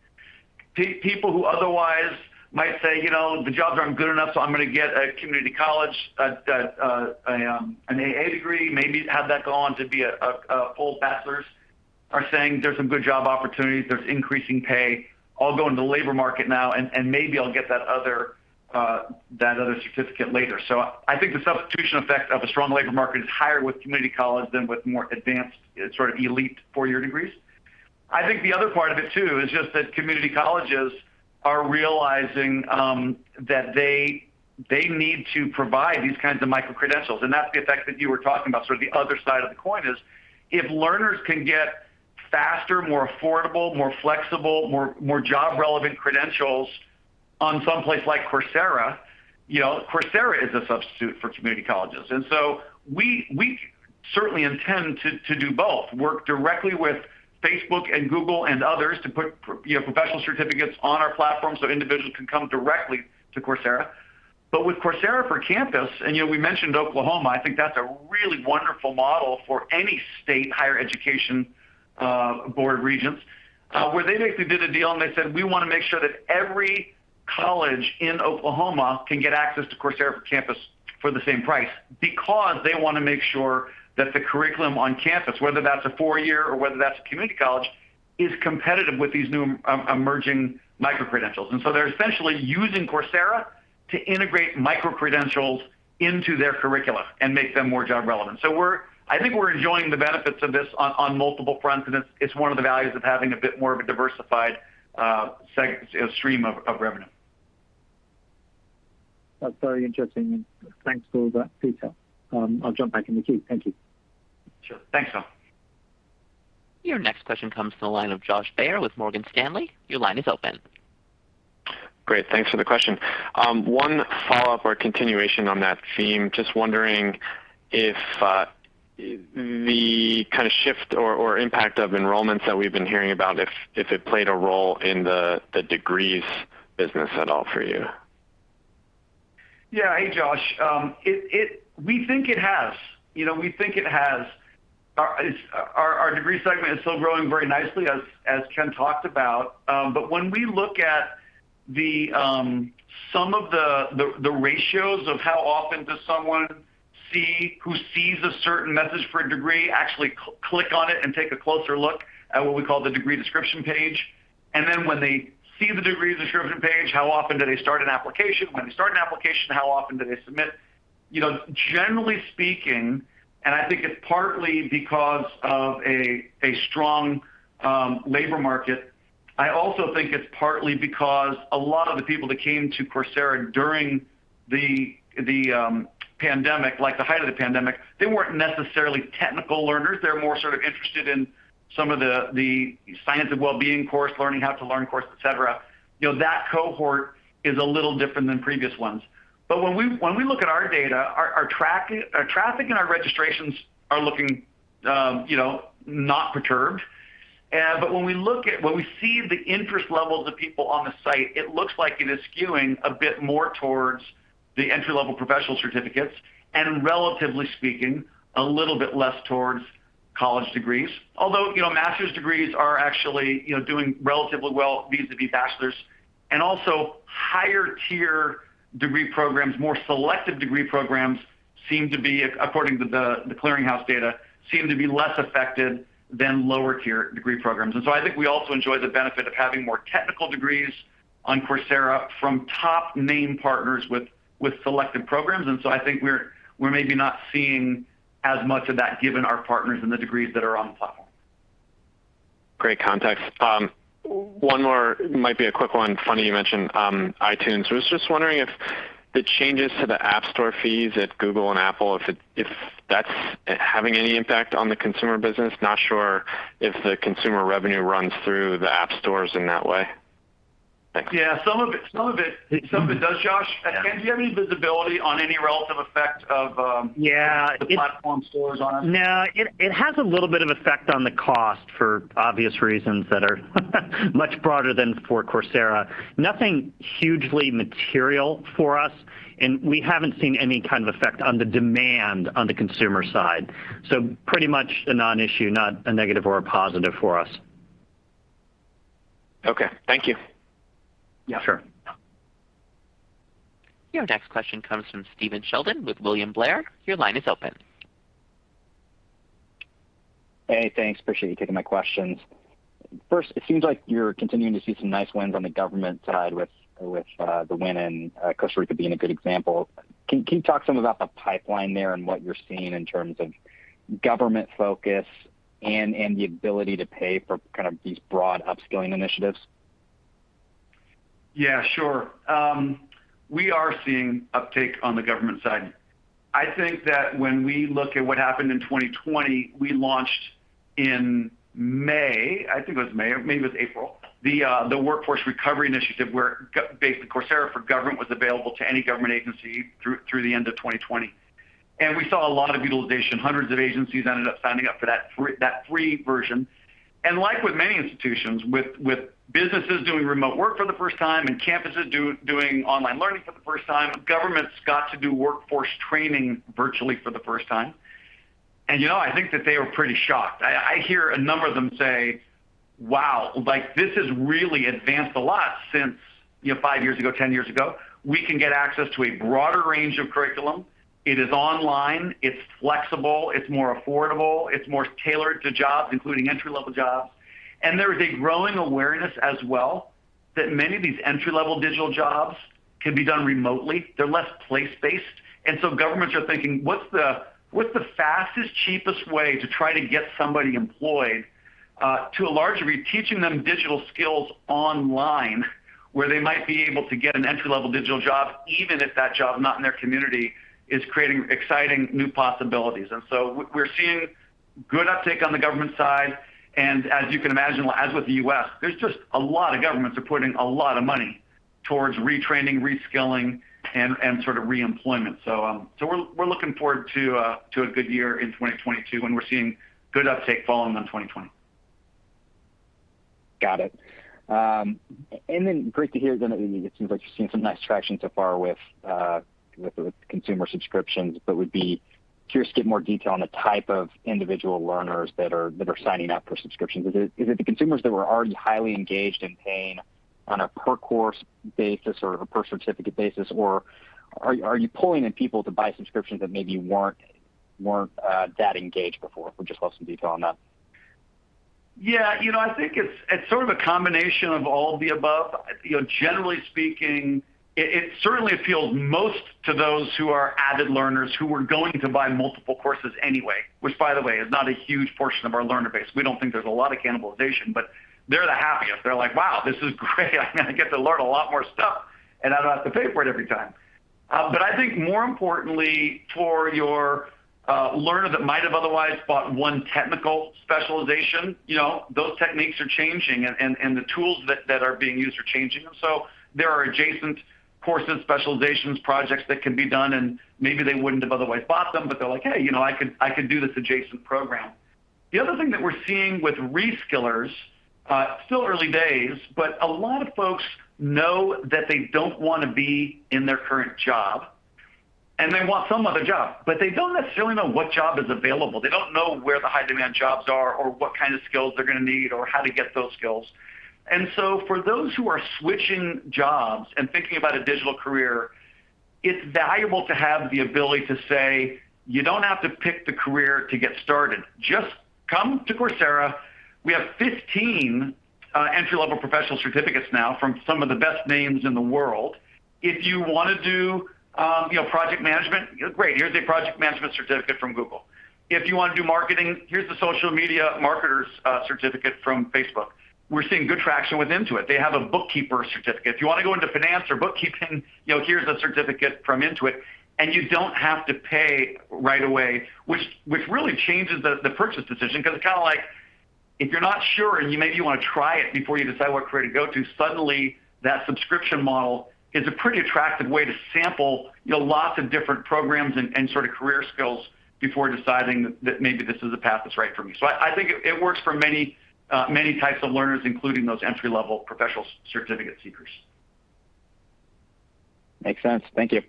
People who otherwise might say, "You know, the jobs aren't good enough, so I'm gonna go to a community college, an AA degree, maybe have that go on to be a full bachelor's," are saying, "There's some good job opportunities'' there's increasing pay. I'll go into the labor market now, and maybe I'll get that other certificate later." I think the substitution effect of a strong labor market is higher with community college than with more advanced, sort of elite four-year degrees. I think the other part of it too is just that community colleges are realizing that they need to provide these kinds of micro-credentials, and that's the effect that you were talking about sort of the other side of the coin is, if learners can get faster, more affordable, more flexible, more job-relevant credentials on someplace like Coursera, you know, Coursera is a substitute for community colleges. We certainly intend to do both, work directly with Facebook and Google and others to put, you know, professional certificates on our platform so individuals can come directly to Coursera. With Coursera for Campus, and, you know, we mentioned Oklahoma i think that's a really wonderful model for any state higher education board of regents, where they basically did a deal, and they said, "We wanna make sure that every college in Oklahoma can get access to Coursera for Campus for the same price," because they wanna make sure that the curriculum on campus, whether that's a four-year or whether that's a community college- -is competitive with these new emerging micro-credentials they're essentially using Coursera to integrate micro-credentials into their curricula and make them more job relevant i think we're enjoying the benefits of this on multiple fronts, and it's one of the values of having a bit more of a diversified stream of revenue.
That's very interesting, and thanks for all that detail. I'll jump back in the queue. Thank you.
Sure. Thanks, Tom.
Your next question comes from the line of Josh Baer with Morgan Stanley. Your line is open.
Great. Thanks for the question. One follow-up or continuation on that theme just wondering if the kinda shift or impact of enrollments that we've been hearing about, if it played a role in the degrees business at all for you?
Yeah. Hey, Josh. We think it has. You know, we think it has. Our Degree segment is still growing very nicely, as Ken talked about. When we look at some of the ratios of how often does someone who sees a certain message for a degree actually click on it and take a closer look at what we call the degree description page. When they see the degree description page, how often do they start an application? When they start an application, how often do they submit? You know, generally speaking, I think it's partly because of a strong labor market. I also think it's partly because a lot of the people that came to Coursera during the pandemic, like the height of the pandemic, they weren't necessarily technical learners they were more sort of interested in some of the science of well-being course, learning how to learn course, et cetera. You know, that cohort is a little different than previous ones. When we look at our data, our traffic and our registrations are looking, you know, not perturbed. When we see the interest level of the people on the site, it looks like it is skewing a bit more towards the entry-level professional certificates and, relatively speaking, a little bit less towards college degrees. Although, you know, master's degrees are actually, you know, doing relatively well vis-à-vis bachelor's. Also higher tier degree programs, more selective degree programs seem to be, according to the Clearinghouse data, less affected than lower tier degree programs i think we also enjoy the benefit of having more technical degrees on Coursera from top name partners with selected programs i think we're maybe not seeing as much of that given our partners and the degrees that are on the platform.
Great context. One more. Might be a quick one funny you mentioned iTunes. I was just wondering if the changes to the App Store fees at Google and Apple, if that's having any impact on the consumer business not sure if the consumer revenue runs through the app stores in that way. Thanks.
Yeah, some of it does, Josh.
Yeah.
Do you have any visibility on any relative effect of?
Yeah
the platform stores on it?
No, it has a little bit of effect on the cost for obvious reasons that are much broader than for Coursera. Nothing hugely material for us, and we haven't seen any kind of effect on the demand on the consumer side. Pretty much a non-issue, not a negative or a positive for us.
Okay. Thank you.
Yeah, sure.
Your next question comes from Stephen Sheldon with William Blair. Your line is open.
Hey, thanks. Appreciate you taking my questions. First, it seems like you're continuing to see some nice wins on the government side with the win in Costa Rica being a good example. Can you talk some about the pipeline there and what you're seeing in terms of government focus and the ability to pay for kind of these broad upskilling initiatives?
Yeah, sure. We are seeing uptake on the government side. I think that when we look at what happened in 2020, we launched in May, I think it was May or maybe it was April, the Workforce Recovery Initiative, where basically Coursera for Government was available to any government agency through the end of 2020. We saw a lot of utilization hundreds of agencies ended up signing up for that free version. Like with many institutions, with businesses doing remote work for the first time and campuses doing online learning for the first time, governments got to do workforce training virtually for the first time. You know, I think that they were pretty shocked. I hear a number of them say, "Wow, like this has really advanced a lot since, you know, five years ago, 10 years ago. We can get access to a broader range of curriculum. It is online, it's flexible, it's more affordable, it's more tailored to jobs, including entry-level jobs." There is a growing awareness as well that many of these entry-level digital jobs can be done remotely they're less place-based. Governments are thinking, "What's the, what's the fastest, cheapest way to try to get somebody employed?" To a large degree, teaching them digital skills online where they might be able to get an entry-level digital job, even if that job is not in their community, is creating exciting new possibilities so we're seeing good uptake on the government side, and as you can imagine, as with the U.S., there's just a lot of governments are putting a lot of money towards retraining, reskilling, and sort of re-employment. We're looking forward to a good year in 2022, and we're seeing good uptake following on 2020.
Got it. Great to hear then that it seems like you're seeing some nice traction so far with the consumer subscriptions would be curious to get more detail on the type of individual learners that are signing up for subscriptions is it the consumers that were already highly engaged and paying on a per course basis or a per certificate basis? Are you pulling in people to buy subscriptions that maybe weren't that engaged before? Would just love some detail on that.
Yeah. You know, I think it's sort of a combination of all of the above. You know, generally speaking, it certainly appeals most to those who are avid learners who were going to buy multiple courses anyway, which by the way, is not a huge portion of our learner base. We don't think there's a lot of cannibalization, but- -they're the happiest. They're like, "Wow, this is great. I get to learn a lot more stuff, and I don't have to pay for it every time." I think more importantly for your learner that might have otherwise bought one technical specialization, you know, those techniques are changing and the tools that are being used are changing. There are adjacent courses, specializations, projects that can be done, and maybe they wouldn't have otherwise bought them, but they're like, "Hey, you know, I could do this adjacent program." The other thing that we're seeing with reskillers, still early days, but a lot of folks know that they don't wanna be in their current job, and they want some other job, but they don't necessarily know what job is available they don't know where the high-demand jobs are or what kind of skills they're gonna need or how to get those skills. For those who are switching jobs and thinking about a digital career, it's valuable to have the ability to say, "You don't have to pick the career to get started. Just come to Coursera." We have 15 entry-level professional certificates now from some of the best names in the world. If you wanna do, you know, project management, great here's a project management certificate from Google. If you wanna do marketing, here's the social media marketers certificate from Facebook. We're seeing good traction with Intuit they have a bookkeeper certificate. If you wanna go into finance or bookkeeping, you know, here's a certificate from Intuit, and you don't have to pay right away, which really changes the purchase decision, 'cause it's kinda like- -if you're not sure and you maybe wanna try it before you decide what career to go to, suddenly that subscription model is a pretty attractive way to sample, you know, lots of different programs and sort of career skills before deciding that maybe this is a path that's right for me so i think it works for many types of learners, including those entry-level professional certificate seekers.
Makes sense. Thank you.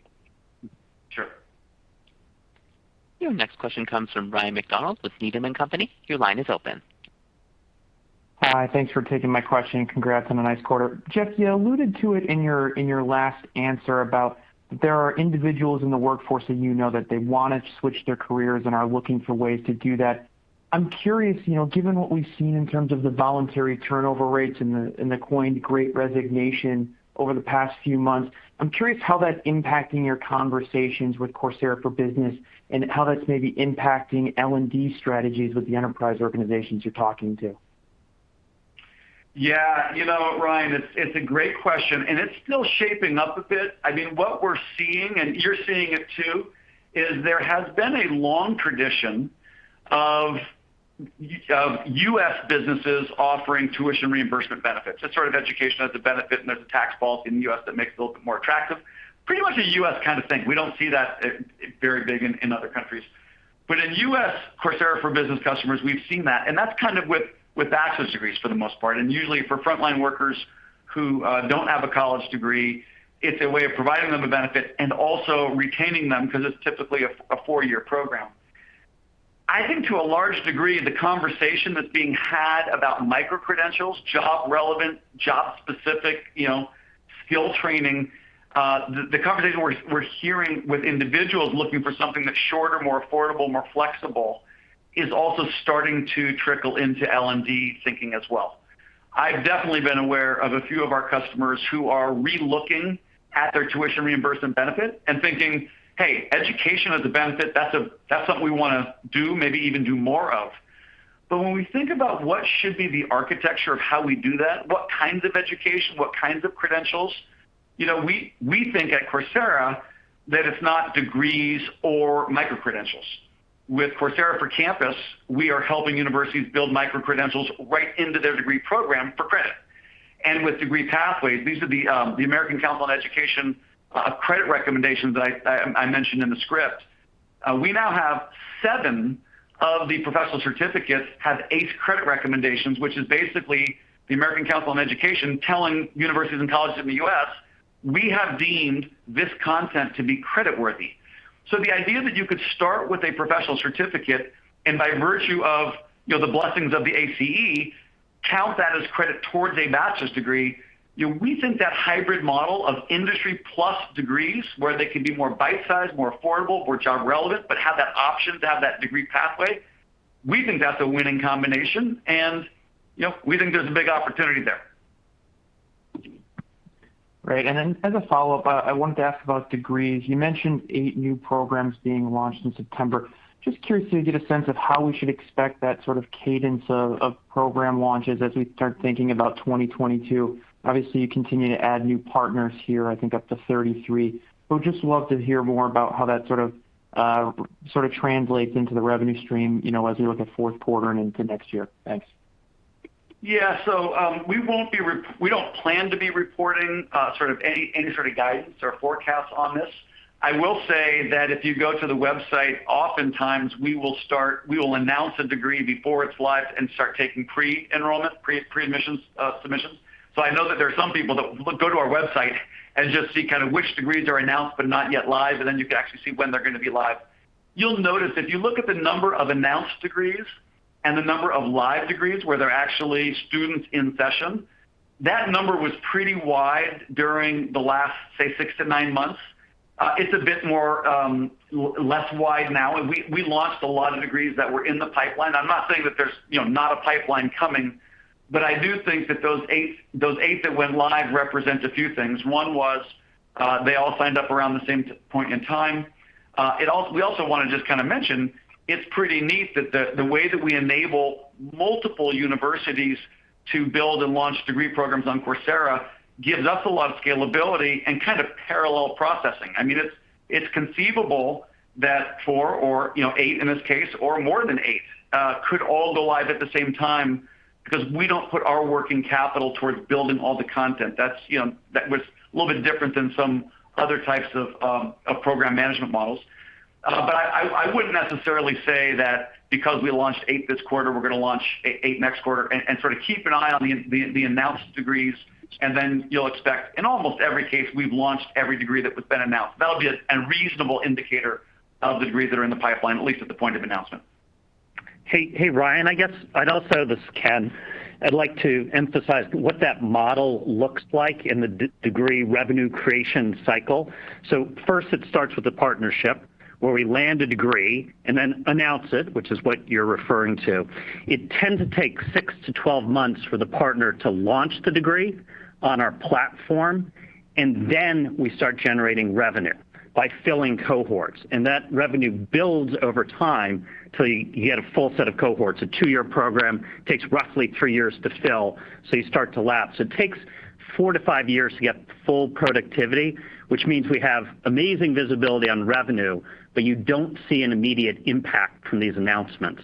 Your next question comes from Ryan MacDonald with Needham & Company. Your line is open.
Hi. Thanks for taking my question congrats on a nice quarter Jeff, you alluded to it in your last answer about there are individuals in the workforce that you know that they wanna switch their careers and are looking for ways to do that. I'm curious, you know, given what we've seen in terms of the voluntary turnover rates and the coined Great Resignation over the past few months, I'm curious how that's impacting your conversations with Coursera for Business and how that's maybe impacting L&D strategies with the enterprise organizations you're talking to.
Yeah. You know, Ryan, it's a great question, and it's still shaping up a bit. I mean, what we're seeing, and you're seeing it too, is there has been a long tradition of of U.S. businesses offering tuition reimbursement benefits that's sort of education as a benefit, and there's a tax policy in the U.S. that makes it a little bit more attractive. Pretty much a U.S. kind of thing. We don't see that very big in other countries. But in U.S. Coursera for Business customers, we've seen that, and that's kind of with bachelor's degrees for the most part usually for frontline workers who don't have a college degree, it's a way of providing them a benefit and also retaining them 'cause it's typically a four-year program. I think to a large degree, the conversation that's being had about microcredentials, job relevant, job specific, you know, skill training, the conversation we're hearing with individuals looking for something that's shorter, more affordable, more flexible, is also starting to trickle into L&D thinking as well. I've definitely been aware of a few of our customers who are re-looking at their tuition reimbursement benefit and thinking, "Hey, education as a benefit, that's something we wanna do, maybe even do more of." When we think about what should be the architecture of how we do that, what kinds of education, what kinds of credentials, you know, we think at Coursera that it's not degrees or microcredentials. With Coursera for Campus, we are helping universities build microcredentials right into their degree program for credit. With degree pathways, these are the American Council on Education credit recommendations that I mentioned in the script. We now have seven of the professional certificates have ACE credit recommendations, which is basically the American Council on Education telling universities and colleges in the U.S., "We have deemed this content to be creditworthy." The idea that you could start with a professional certificate and by virtue of, you know, the blessings of the ACE, count that as credit towards a bachelor's degree, you know, we think that hybrid model of industry plus degrees where they can be more bite-sized, more affordable, more job relevant, but have that option to have that degree pathway, we think that's a winning combination. You know, we think there's a big opportunity there.
Right. As a follow-up, I wanted to ask about degrees. You mentioned eight new programs being launched in September. Just curious to get a sense of how we should expect that sort of cadence of program launches as we start thinking about 2022. Obviously, you continue to add new partners here, I think up to 33. Would just love to hear more about how that sort of translates into the revenue stream, you know, as we look at Q4 and into next year. Thanks.
Yeah. We don't plan to be reporting sort of any sort of guidance or forecasts on this. I will say that if you go to the website, oftentimes we will announce a degree before it's live and start taking pre-enrollment, pre-admissions submissions. I know that there are some people that go to our website and just see kind of which degrees are announced but not yet live, and then you can actually see when they're gonna be live. You'll notice if you look at the number of announced degrees and the number of live degrees where there are actually students in session, that number was pretty wide during the last, say, six to nine months. It's a bit less wide now we launched a lot of degrees that were in the pipeline i'm not saying that there's you know not a pipeline coming, but I do think that those eight that went live represent a few things one was, they all signed up around the same point in time. We also wanna just kinda mention, it's pretty neat that the way that we enable multiple universities to build and launch degree programs on Coursera gives us a lot of scalability and kind of parallel processing. I mean, it's conceivable that four or you know eight in this case or more than eight could all go live at the same time 'cause we don't put our working capital towards building all the content that's, you know, that was a little bit different than some other types of program management models. I wouldn't necessarily say that because we launched eight this quarter, we're gonna launch eight next quarter sort of keep an eye on the announced degrees, and then you'll expect in almost every case we've launched every degree that has been announced that'll be a reasonable indicator of the degrees that are in the pipeline, at least at the point of announcement.
Hey, Ryan. This is Ken. I'd like to emphasize what that model looks like in the degree revenue creation cycle. First it starts with a partnership where we land a degree and then announce it, which is what you're referring to. It tends to take six to 12 months for the partner to launch the degree on our platform, and then we start generating revenue by filling cohorts and that revenue builds over time till you get a full set of cohorts. A two-year program takes roughly three years to fill, so you start to lap. It takes four to five years to get full productivity. Which means we have amazing visibility on revenue, but you don't see an immediate impact from these announcements.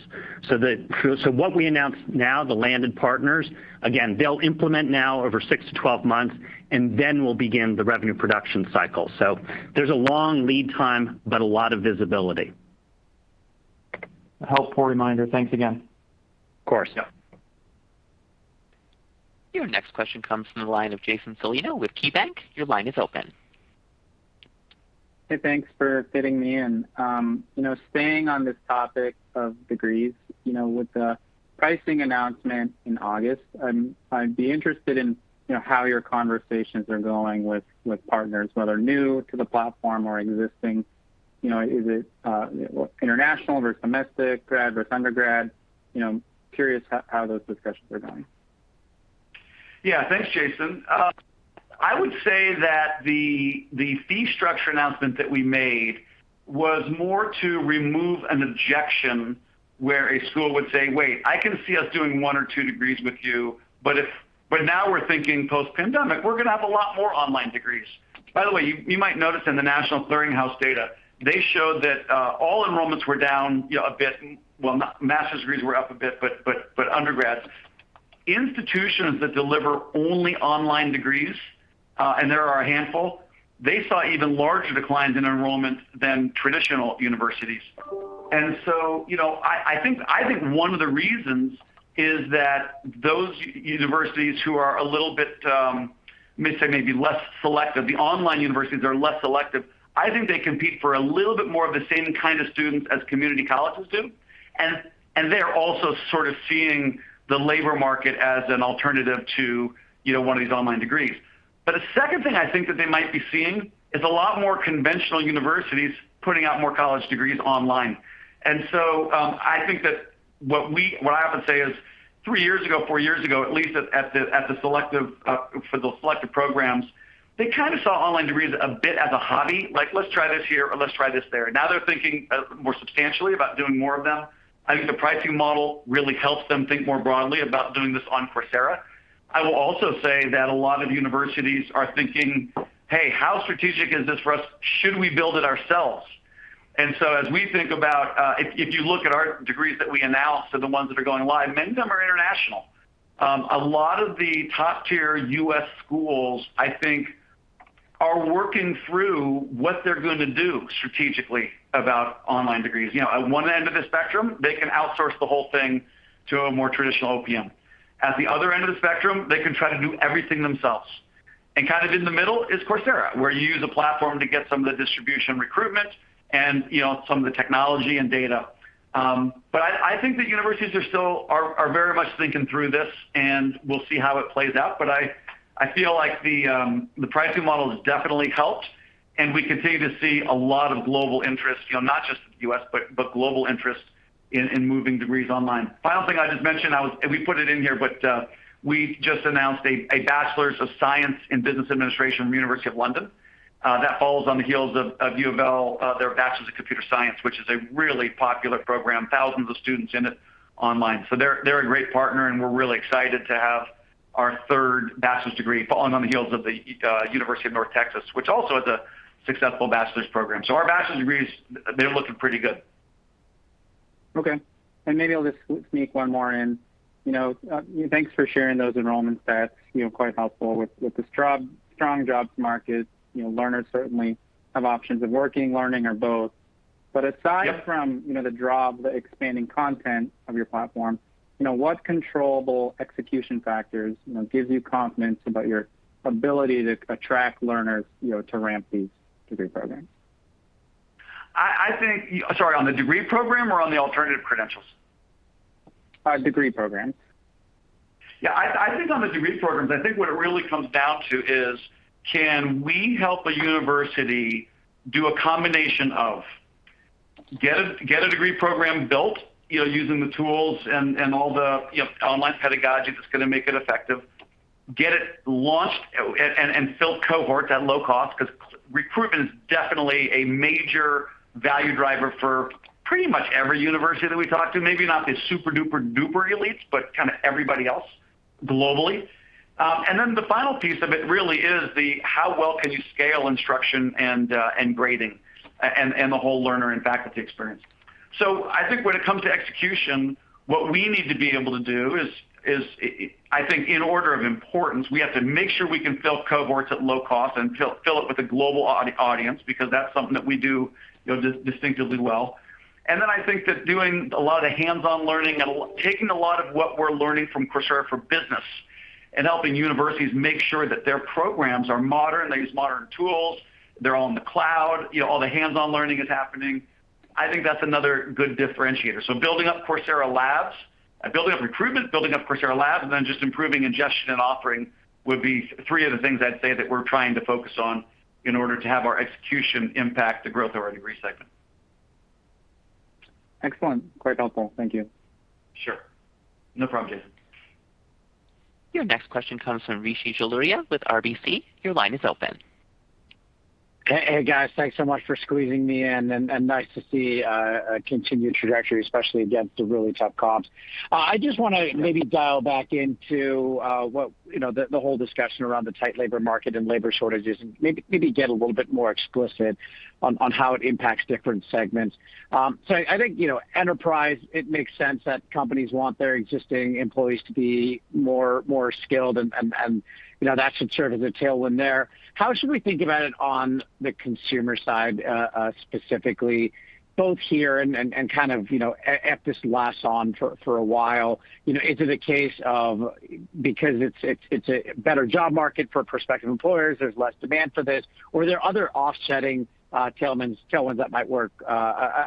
What we announce now, the landed partners, again, they'll implement now over six to 12 months, and then we'll begin the revenue production cycle. There's a long lead time, but a lot of visibility.
A helpful reminder. Thanks again.
Of course.
Your next question comes from the line of Jason Celino with KeyBanc. Your line is open.
Hey, thanks for fitting me in. You know, staying on this topic of degrees, you know, with the pricing announcement in August, I'd be interested in, you know, how your conversations are going with partners, whether new to the platform or existing. You know, is it international versus domestic, grad versus undergrad? You know, curious how those discussions are going?
Yeah. Thanks, Jason. I would say that the fee structure announcement that we made was more to remove an objection where a school would say, "Wait, I can see us doing one or two degrees with you, but now we're thinking post-pandemic, we're gonna have a lot more online degrees." By the way, you might notice in the National Student Clearinghouse data, they showed that all enrollments were down, you know, a bit well, master's degrees were up a bit, but undergrads. Institutions that deliver only online degrees, and there are a handful, they saw even larger declines in enrollment than traditional universities. You know, I think one of the reasons is that those universities who are a little bit, let me say maybe less selective, the online universities are less selective. I think they compete for a little bit more of the same kind of students as community colleges do, and they're also sort of seeing the labor market as an alternative to, you know, one of these online degrees. A second thing I think that they might be seeing is a lot more conventional universities putting out more college degrees online. I think that what I often say is three years ago, four years ago, at least at the selective, for the selective programs, they kinda saw online degrees a bit as a hobby like, let's try this here, or let's try this there now they're thinking more substantially about doing more of them. I think the pricing model really helps them think more broadly about doing this on Coursera. I will also say that a lot of universities are thinking, "Hey, how strategic is this for us? Should we build it ourselves?" As we think about, if you look at our degrees that we announced are the ones that are going live, many of them are international. A lot of the top-tier U.S. schools, I think, are working through what they're gonna do strategically about online degrees you know, at one end of the spectrum, they can outsource the whole thing to a more traditional OPM. At the other end of the spectrum, they can try to do everything themselves. Kind of in the middle is Coursera, where you use a platform to get some of the distribution recruitment and, you know, some of the technology and data. But I think the universities are still are very much thinking through this, and we'll see how it plays out. I feel like the pricing model has definitely helped, and we continue to see a lot of global interest, you know, not just U.S., but global interest in moving degrees online. Final thing I just mentioned, we put it in here, but we just announced a Bachelor of Science in Business Administration from University of London. That follows on the heels of UoL, their Bachelor of Computer Science, which is a really popular program, thousands of students in it online. They're a great partner, and we're really excited to have our third bachelor's degree following on the heels of the University of North Texas, which also has a successful bachelor's program so our bachelor's degrees, they're looking pretty good.
Okay. Maybe I'll just sneak one more in. You know, thanks for sharing those enrollment stats, you know, quite helpfu with the strong jobs market, you know, learners certainly have options of working, learning or both.
Yep.
Aside from, you know, the draw of the expanding content of your platform, you know, what controllable execution factors, you know, gives you confidence about your ability to attract learners, you know, to ramp these degree programs?
Sorry, on the degree program or on the alternative credentials?
Degree programs.
I think on the degree programs, I think what it really comes down to is can we help a university do a combination of get a degree program built, you know, using the tools and all the, you know, online pedagogy that's gonna make it effective, get it launched and fill cohorts at low cost? 'Cause recruitment is definitely a major value driver for pretty much every university that we talk to, maybe not the super-duper-duper elites, but kinda everybody else globally. The final piece of it really is how well can you scale instruction and grading and the whole learner and faculty experience. I think when it comes to execution, what we need to be able to do is I think in order of importance, we have to make sure we can fill cohorts at low cost and fill it with a global audience because that's something that we do, you know, distinctively well. I think that doing a lot of hands-on learning and taking a lot of what we're learning from Coursera for Business and helping universities make sure that their programs are modern, they use modern tools, they're all in the cloud, you know, all the hands-on learning is happening, I think that's another good differentiator so building up Coursera Labs, building up recruitment, building up Coursera Labs, and then just improving ingestion and offering would be three of the things I'd say that we're trying to focus on in order to have our execution impact the growth of our degree segment.
Excellent. Quite helpful. Thank you.
Sure. No problem, Jason.
Your next question comes from Rishi Jaluria with RBC. Your line is open.
Hey guys. Thanks so much for squeezing me in and nice to see a continued trajectory, especially against the really tough comps. I just wanna maybe dial back into what, you know, the whole discussion around the tight labor market and labor shortages and maybe get a little bit more explicit on how it impacts different segments. I think, you know, enterprise, it makes sense that companies want their existing employees to be more skilled and, you know, that should serve as a tailwind there. How should we think about it on the consumer side, specifically, both here and kind of, you know, as this lasts on for a while? You know, is it a case of because it's a better job market for prospective employers, there's less demand for this? Or are there other offsetting tailwinds that might work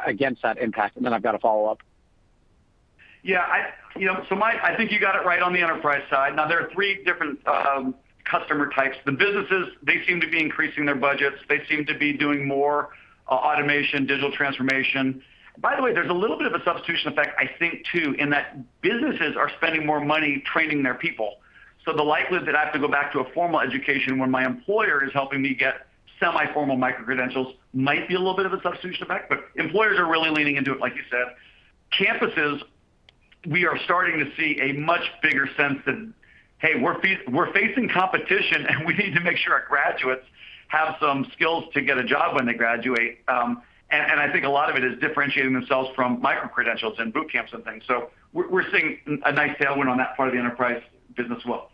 against that impact? and then I've got a follow-up.
Yeah, you know, I think you got it right on the Enterprise side now there are three different customer types the businesses, they seem to be increasing their budgets. They seem to be doing more automation, digital transformation. By the way, there's a little bit of a substitution effect, I think, too, in that businesses are spending more money training their people. The likelihood that I have to go back to a formal education when my employer is helping me get semi-formal micro-credentials might be a little bit of a substitution effect, but employers are really leaning into it, like you said. Campuses, we are starting to see a much bigger sense than, "Hey, we're facing competition, and we need to make sure our graduates have some skills to get a job when they graduate." I think a lot of it is differentiating themselves from micro-credentials and boot camps and things. We're seeing a nice tailwind on that part of the enterprise business as well.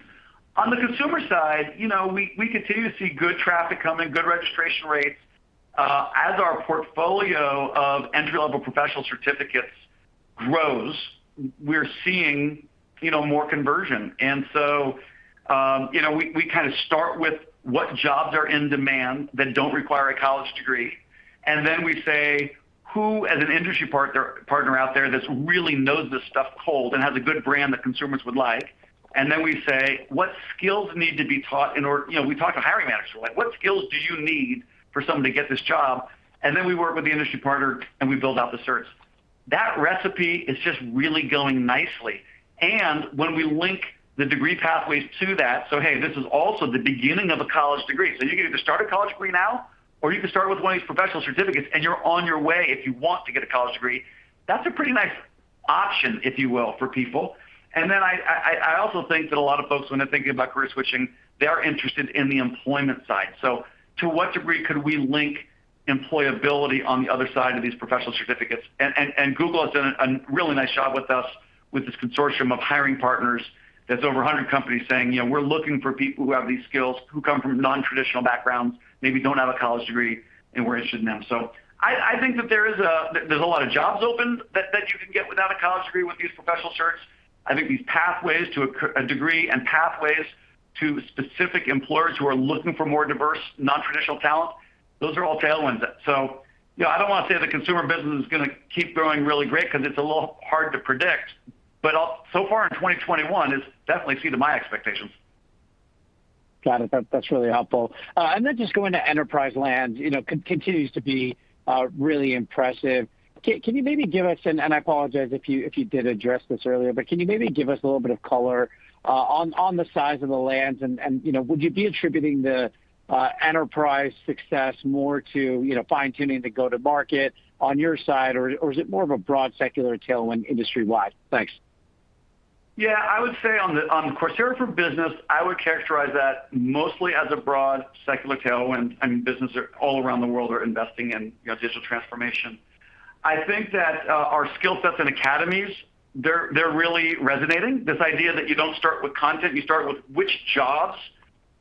On the consumer side, you know, we continue to see good traffic coming, good registration rates. As our portfolio of entry-level professional certificates grows, we're seeing, you know, more conversion. You know, we kind of start with what jobs are in demand that don't require a college degree, and then we say, "Who, as an industry partner out there that really knows this stuff cold and has a good brand that consumers would like?" We say, "What skills need to be taught in order" You know, we talk to hiring managers we're like, "What skills do you need for someone to get this job?" We work with the industry partner, and we build out the Certs. That recipe is just really going nicely. When we link the degree pathways to that, so, hey, this is also the beginning of a college degree you can either start a college degree now or you can start with one of these professional certificates, and you're on your way if you want to get a college degree. That's a pretty nice option, if you will, for people. Then I also think that a lot of folks, when they're thinking about career switching, they are interested in the employment side. To what degree could we link employability on the other side of these professional certificates? Google has done a really nice job with us with this consortium of hiring partners that's over 100 companies saying, you know, "We're looking for people who have these skills who come from non-traditional backgrounds, maybe don't have a college degree, and we're interested in them." I think that there's a lot of jobs open that you can get without a college degree with these Professional Certs. I think these pathways to a degree and pathways to specific employers who are looking for more diverse, non-traditional talent, those are all tailwinds. You know, I don't wanna say the consumer business is gonna keep growing really great 'cause it's a little hard to predict. So far in 2021, it's definitely exceeded my expectations.
Got it. That's really helpful. Just going to enterprise land, you know, continues to be really impressive. Can you maybe give us, and I apologize if you did address this earlier, but can you maybe give us a little bit of color on the size of the land and, you know, would you be attributing the enterprise success more to, you know, fine-tuning the go-to-market on your side or is it more of a broad secular tailwind industry-wide? Thanks.
Yeah. I would say on Coursera for Business, I would characterize that mostly as a broad secular tailwind. I mean, businesses all around the world are investing in, you know, digital transformation. I think that our skill sets and academies, they're really resonating. This idea that you don't start with content, you start with which jobs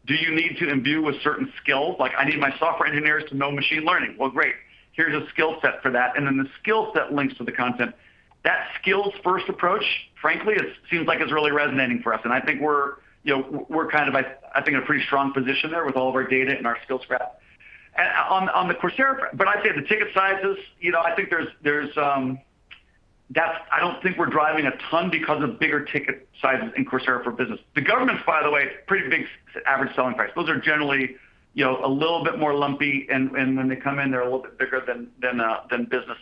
do you need to imbue with certain skills like, I need my software engineers to know machine learning, well, great. Here's a skill set for that and then the skill set links to the content. That skills-first approach, frankly, it seems like it's really resonating for us, and I think we're, you know, kind of at a pretty strong position there with all of our data and our skills graph. I'd say the ticket sizes, you know, I don't think we're driving a ton because of bigger ticket sizes in Coursera for Business. The government, by the way, pretty big average selling price those are generally, you know, a little bit more lumpy, and when they come in, they're a little bit bigger than business.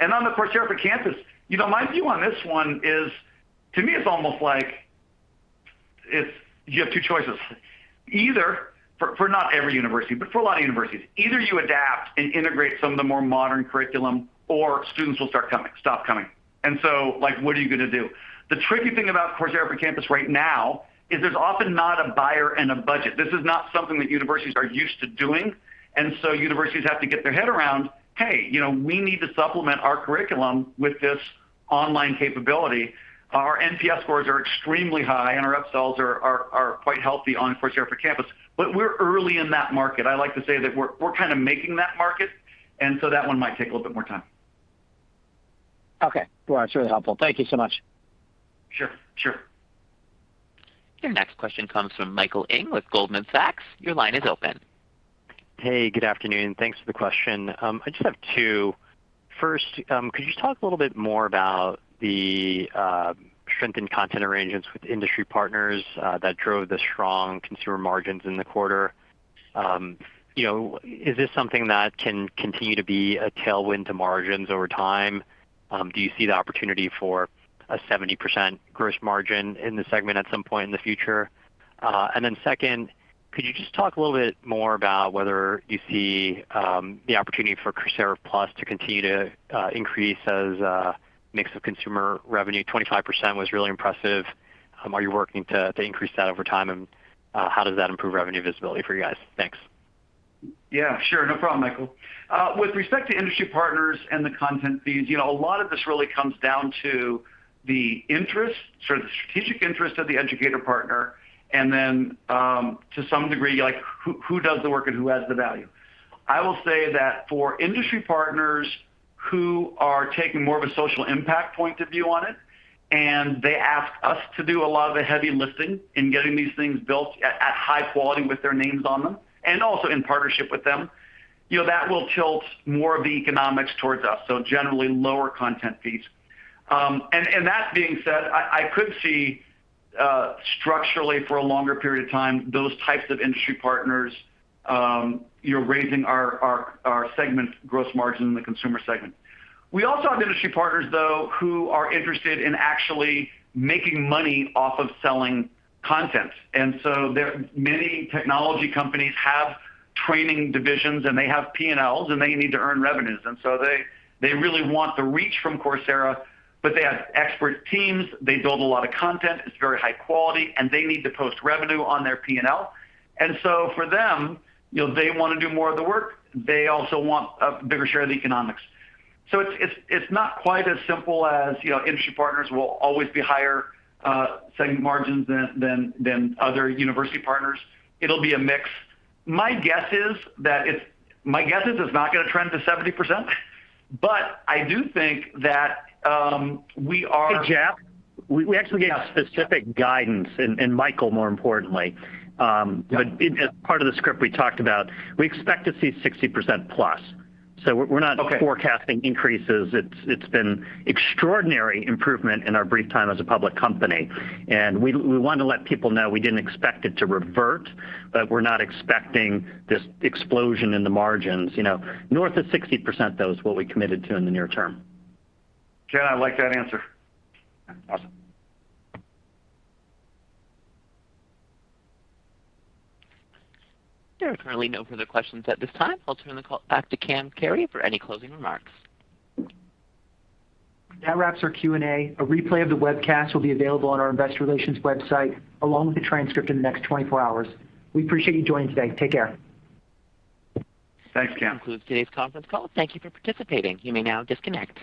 On the Coursera for Campus, you know, my view on this one is, to me, it's almost like you have two choices. Either, for not every university but for a lot of universities, either you adapt and integrate some of the more modern curriculum or students will stop coming. Like, what are you gonna do? The tricky thing about Coursera for Campus right now is there's often not a buyer and a budget this is not something that universities are used to doing, and so universities have to get their head around, "Hey, you know, we need to supplement our curriculum with this online capability." Our NPS scores are extremely high, and our upsells are quite healthy on Coursera for Campus, but we're early in that market i like to say that we're kind of making that market and so that one might take a little bit more time.
Okay. Well, that's really helpful. Thank you so much.
Sure. Sure.
Your next question comes from Michael Ng with Goldman Sachs. Your line is open.
Hey, good afternoon. Thanks for the question. I just have two. First, could you talk a little bit more about the strength in content arrangements with industry partners that drove the strong consumer margins in the quarter? You know, is this something that can continue to be a tailwind to margins over time? Do you see the opportunity for a 70% gross margin in this segment at some point in the future? And then second, could you just talk a little bit more about whether you see the opportunity for Coursera Plus to continue to increase as a mix of consumer revenue? 25% was really impressive. Are you working to increase that over time, and how does that improve revenue visibility for you guys? Thanks.
Yeah, sure. No problem, Michael. With respect to industry partners and the content feeds, you know, a lot of this really comes down to the interest, sort of the strategic interest of the educator partner and then, to some degree, like who does the work and who adds the value. I will say that for industry partners who are taking more of a social impact point of view on it, and they ask us to do a lot of the heavy lifting in getting these things built at high quality with their names on them and also in partnership with them, you know, that will tilt more of the economics towards us, so generally lower content fees. That being said, I could see structurally for a longer period of time, those types of industry partners, you know, raising our segment gross margin in the Consumer segment. We also have industry partners, though, who are interested in actually making money off of selling content and so there are many technology companies have training divisions, and they have P&Ls, and they need to earn revenues so they really want the reach from Coursera, but they have expert teams. They build a lot of content it's very high quality, and they need to post revenue on their P&L. For them, you know, they wanna do more of the work. They also want a bigger share of the economics. It's not quite as simple as, you know, industry partners will always be higher segment margins than other university partners. It'll be a mix. My guess is that it's not gonna trend to 70%, but I do think that we are-
Hey, Jeff, we actually gave specific guidance, and Michael more importantly. In part of the script we talked about, we expect to see 60% plus. We're not-
Okay.
Forecasting increases it's been extraordinary improvement in our brief time as a public company. We wanna let people know we didn't expect it to revert, but we're not expecting this explosion in the margins, you know. North of 60%, though, is what we committed to in the near term.
Jeff, I like that answer.
Awesome.
There are currently no further questions at this time. I'll turn the call back to Cam Carey for any closing remarks.
That wraps our Q&A. A replay of the webcast will be available on our investor relations website, along with the transcript in the next 24 hours. We appreciate you joining today. Take care.
Thanks, Cam.
This concludes today's conference call. Thank you for participating. You may now disconnect.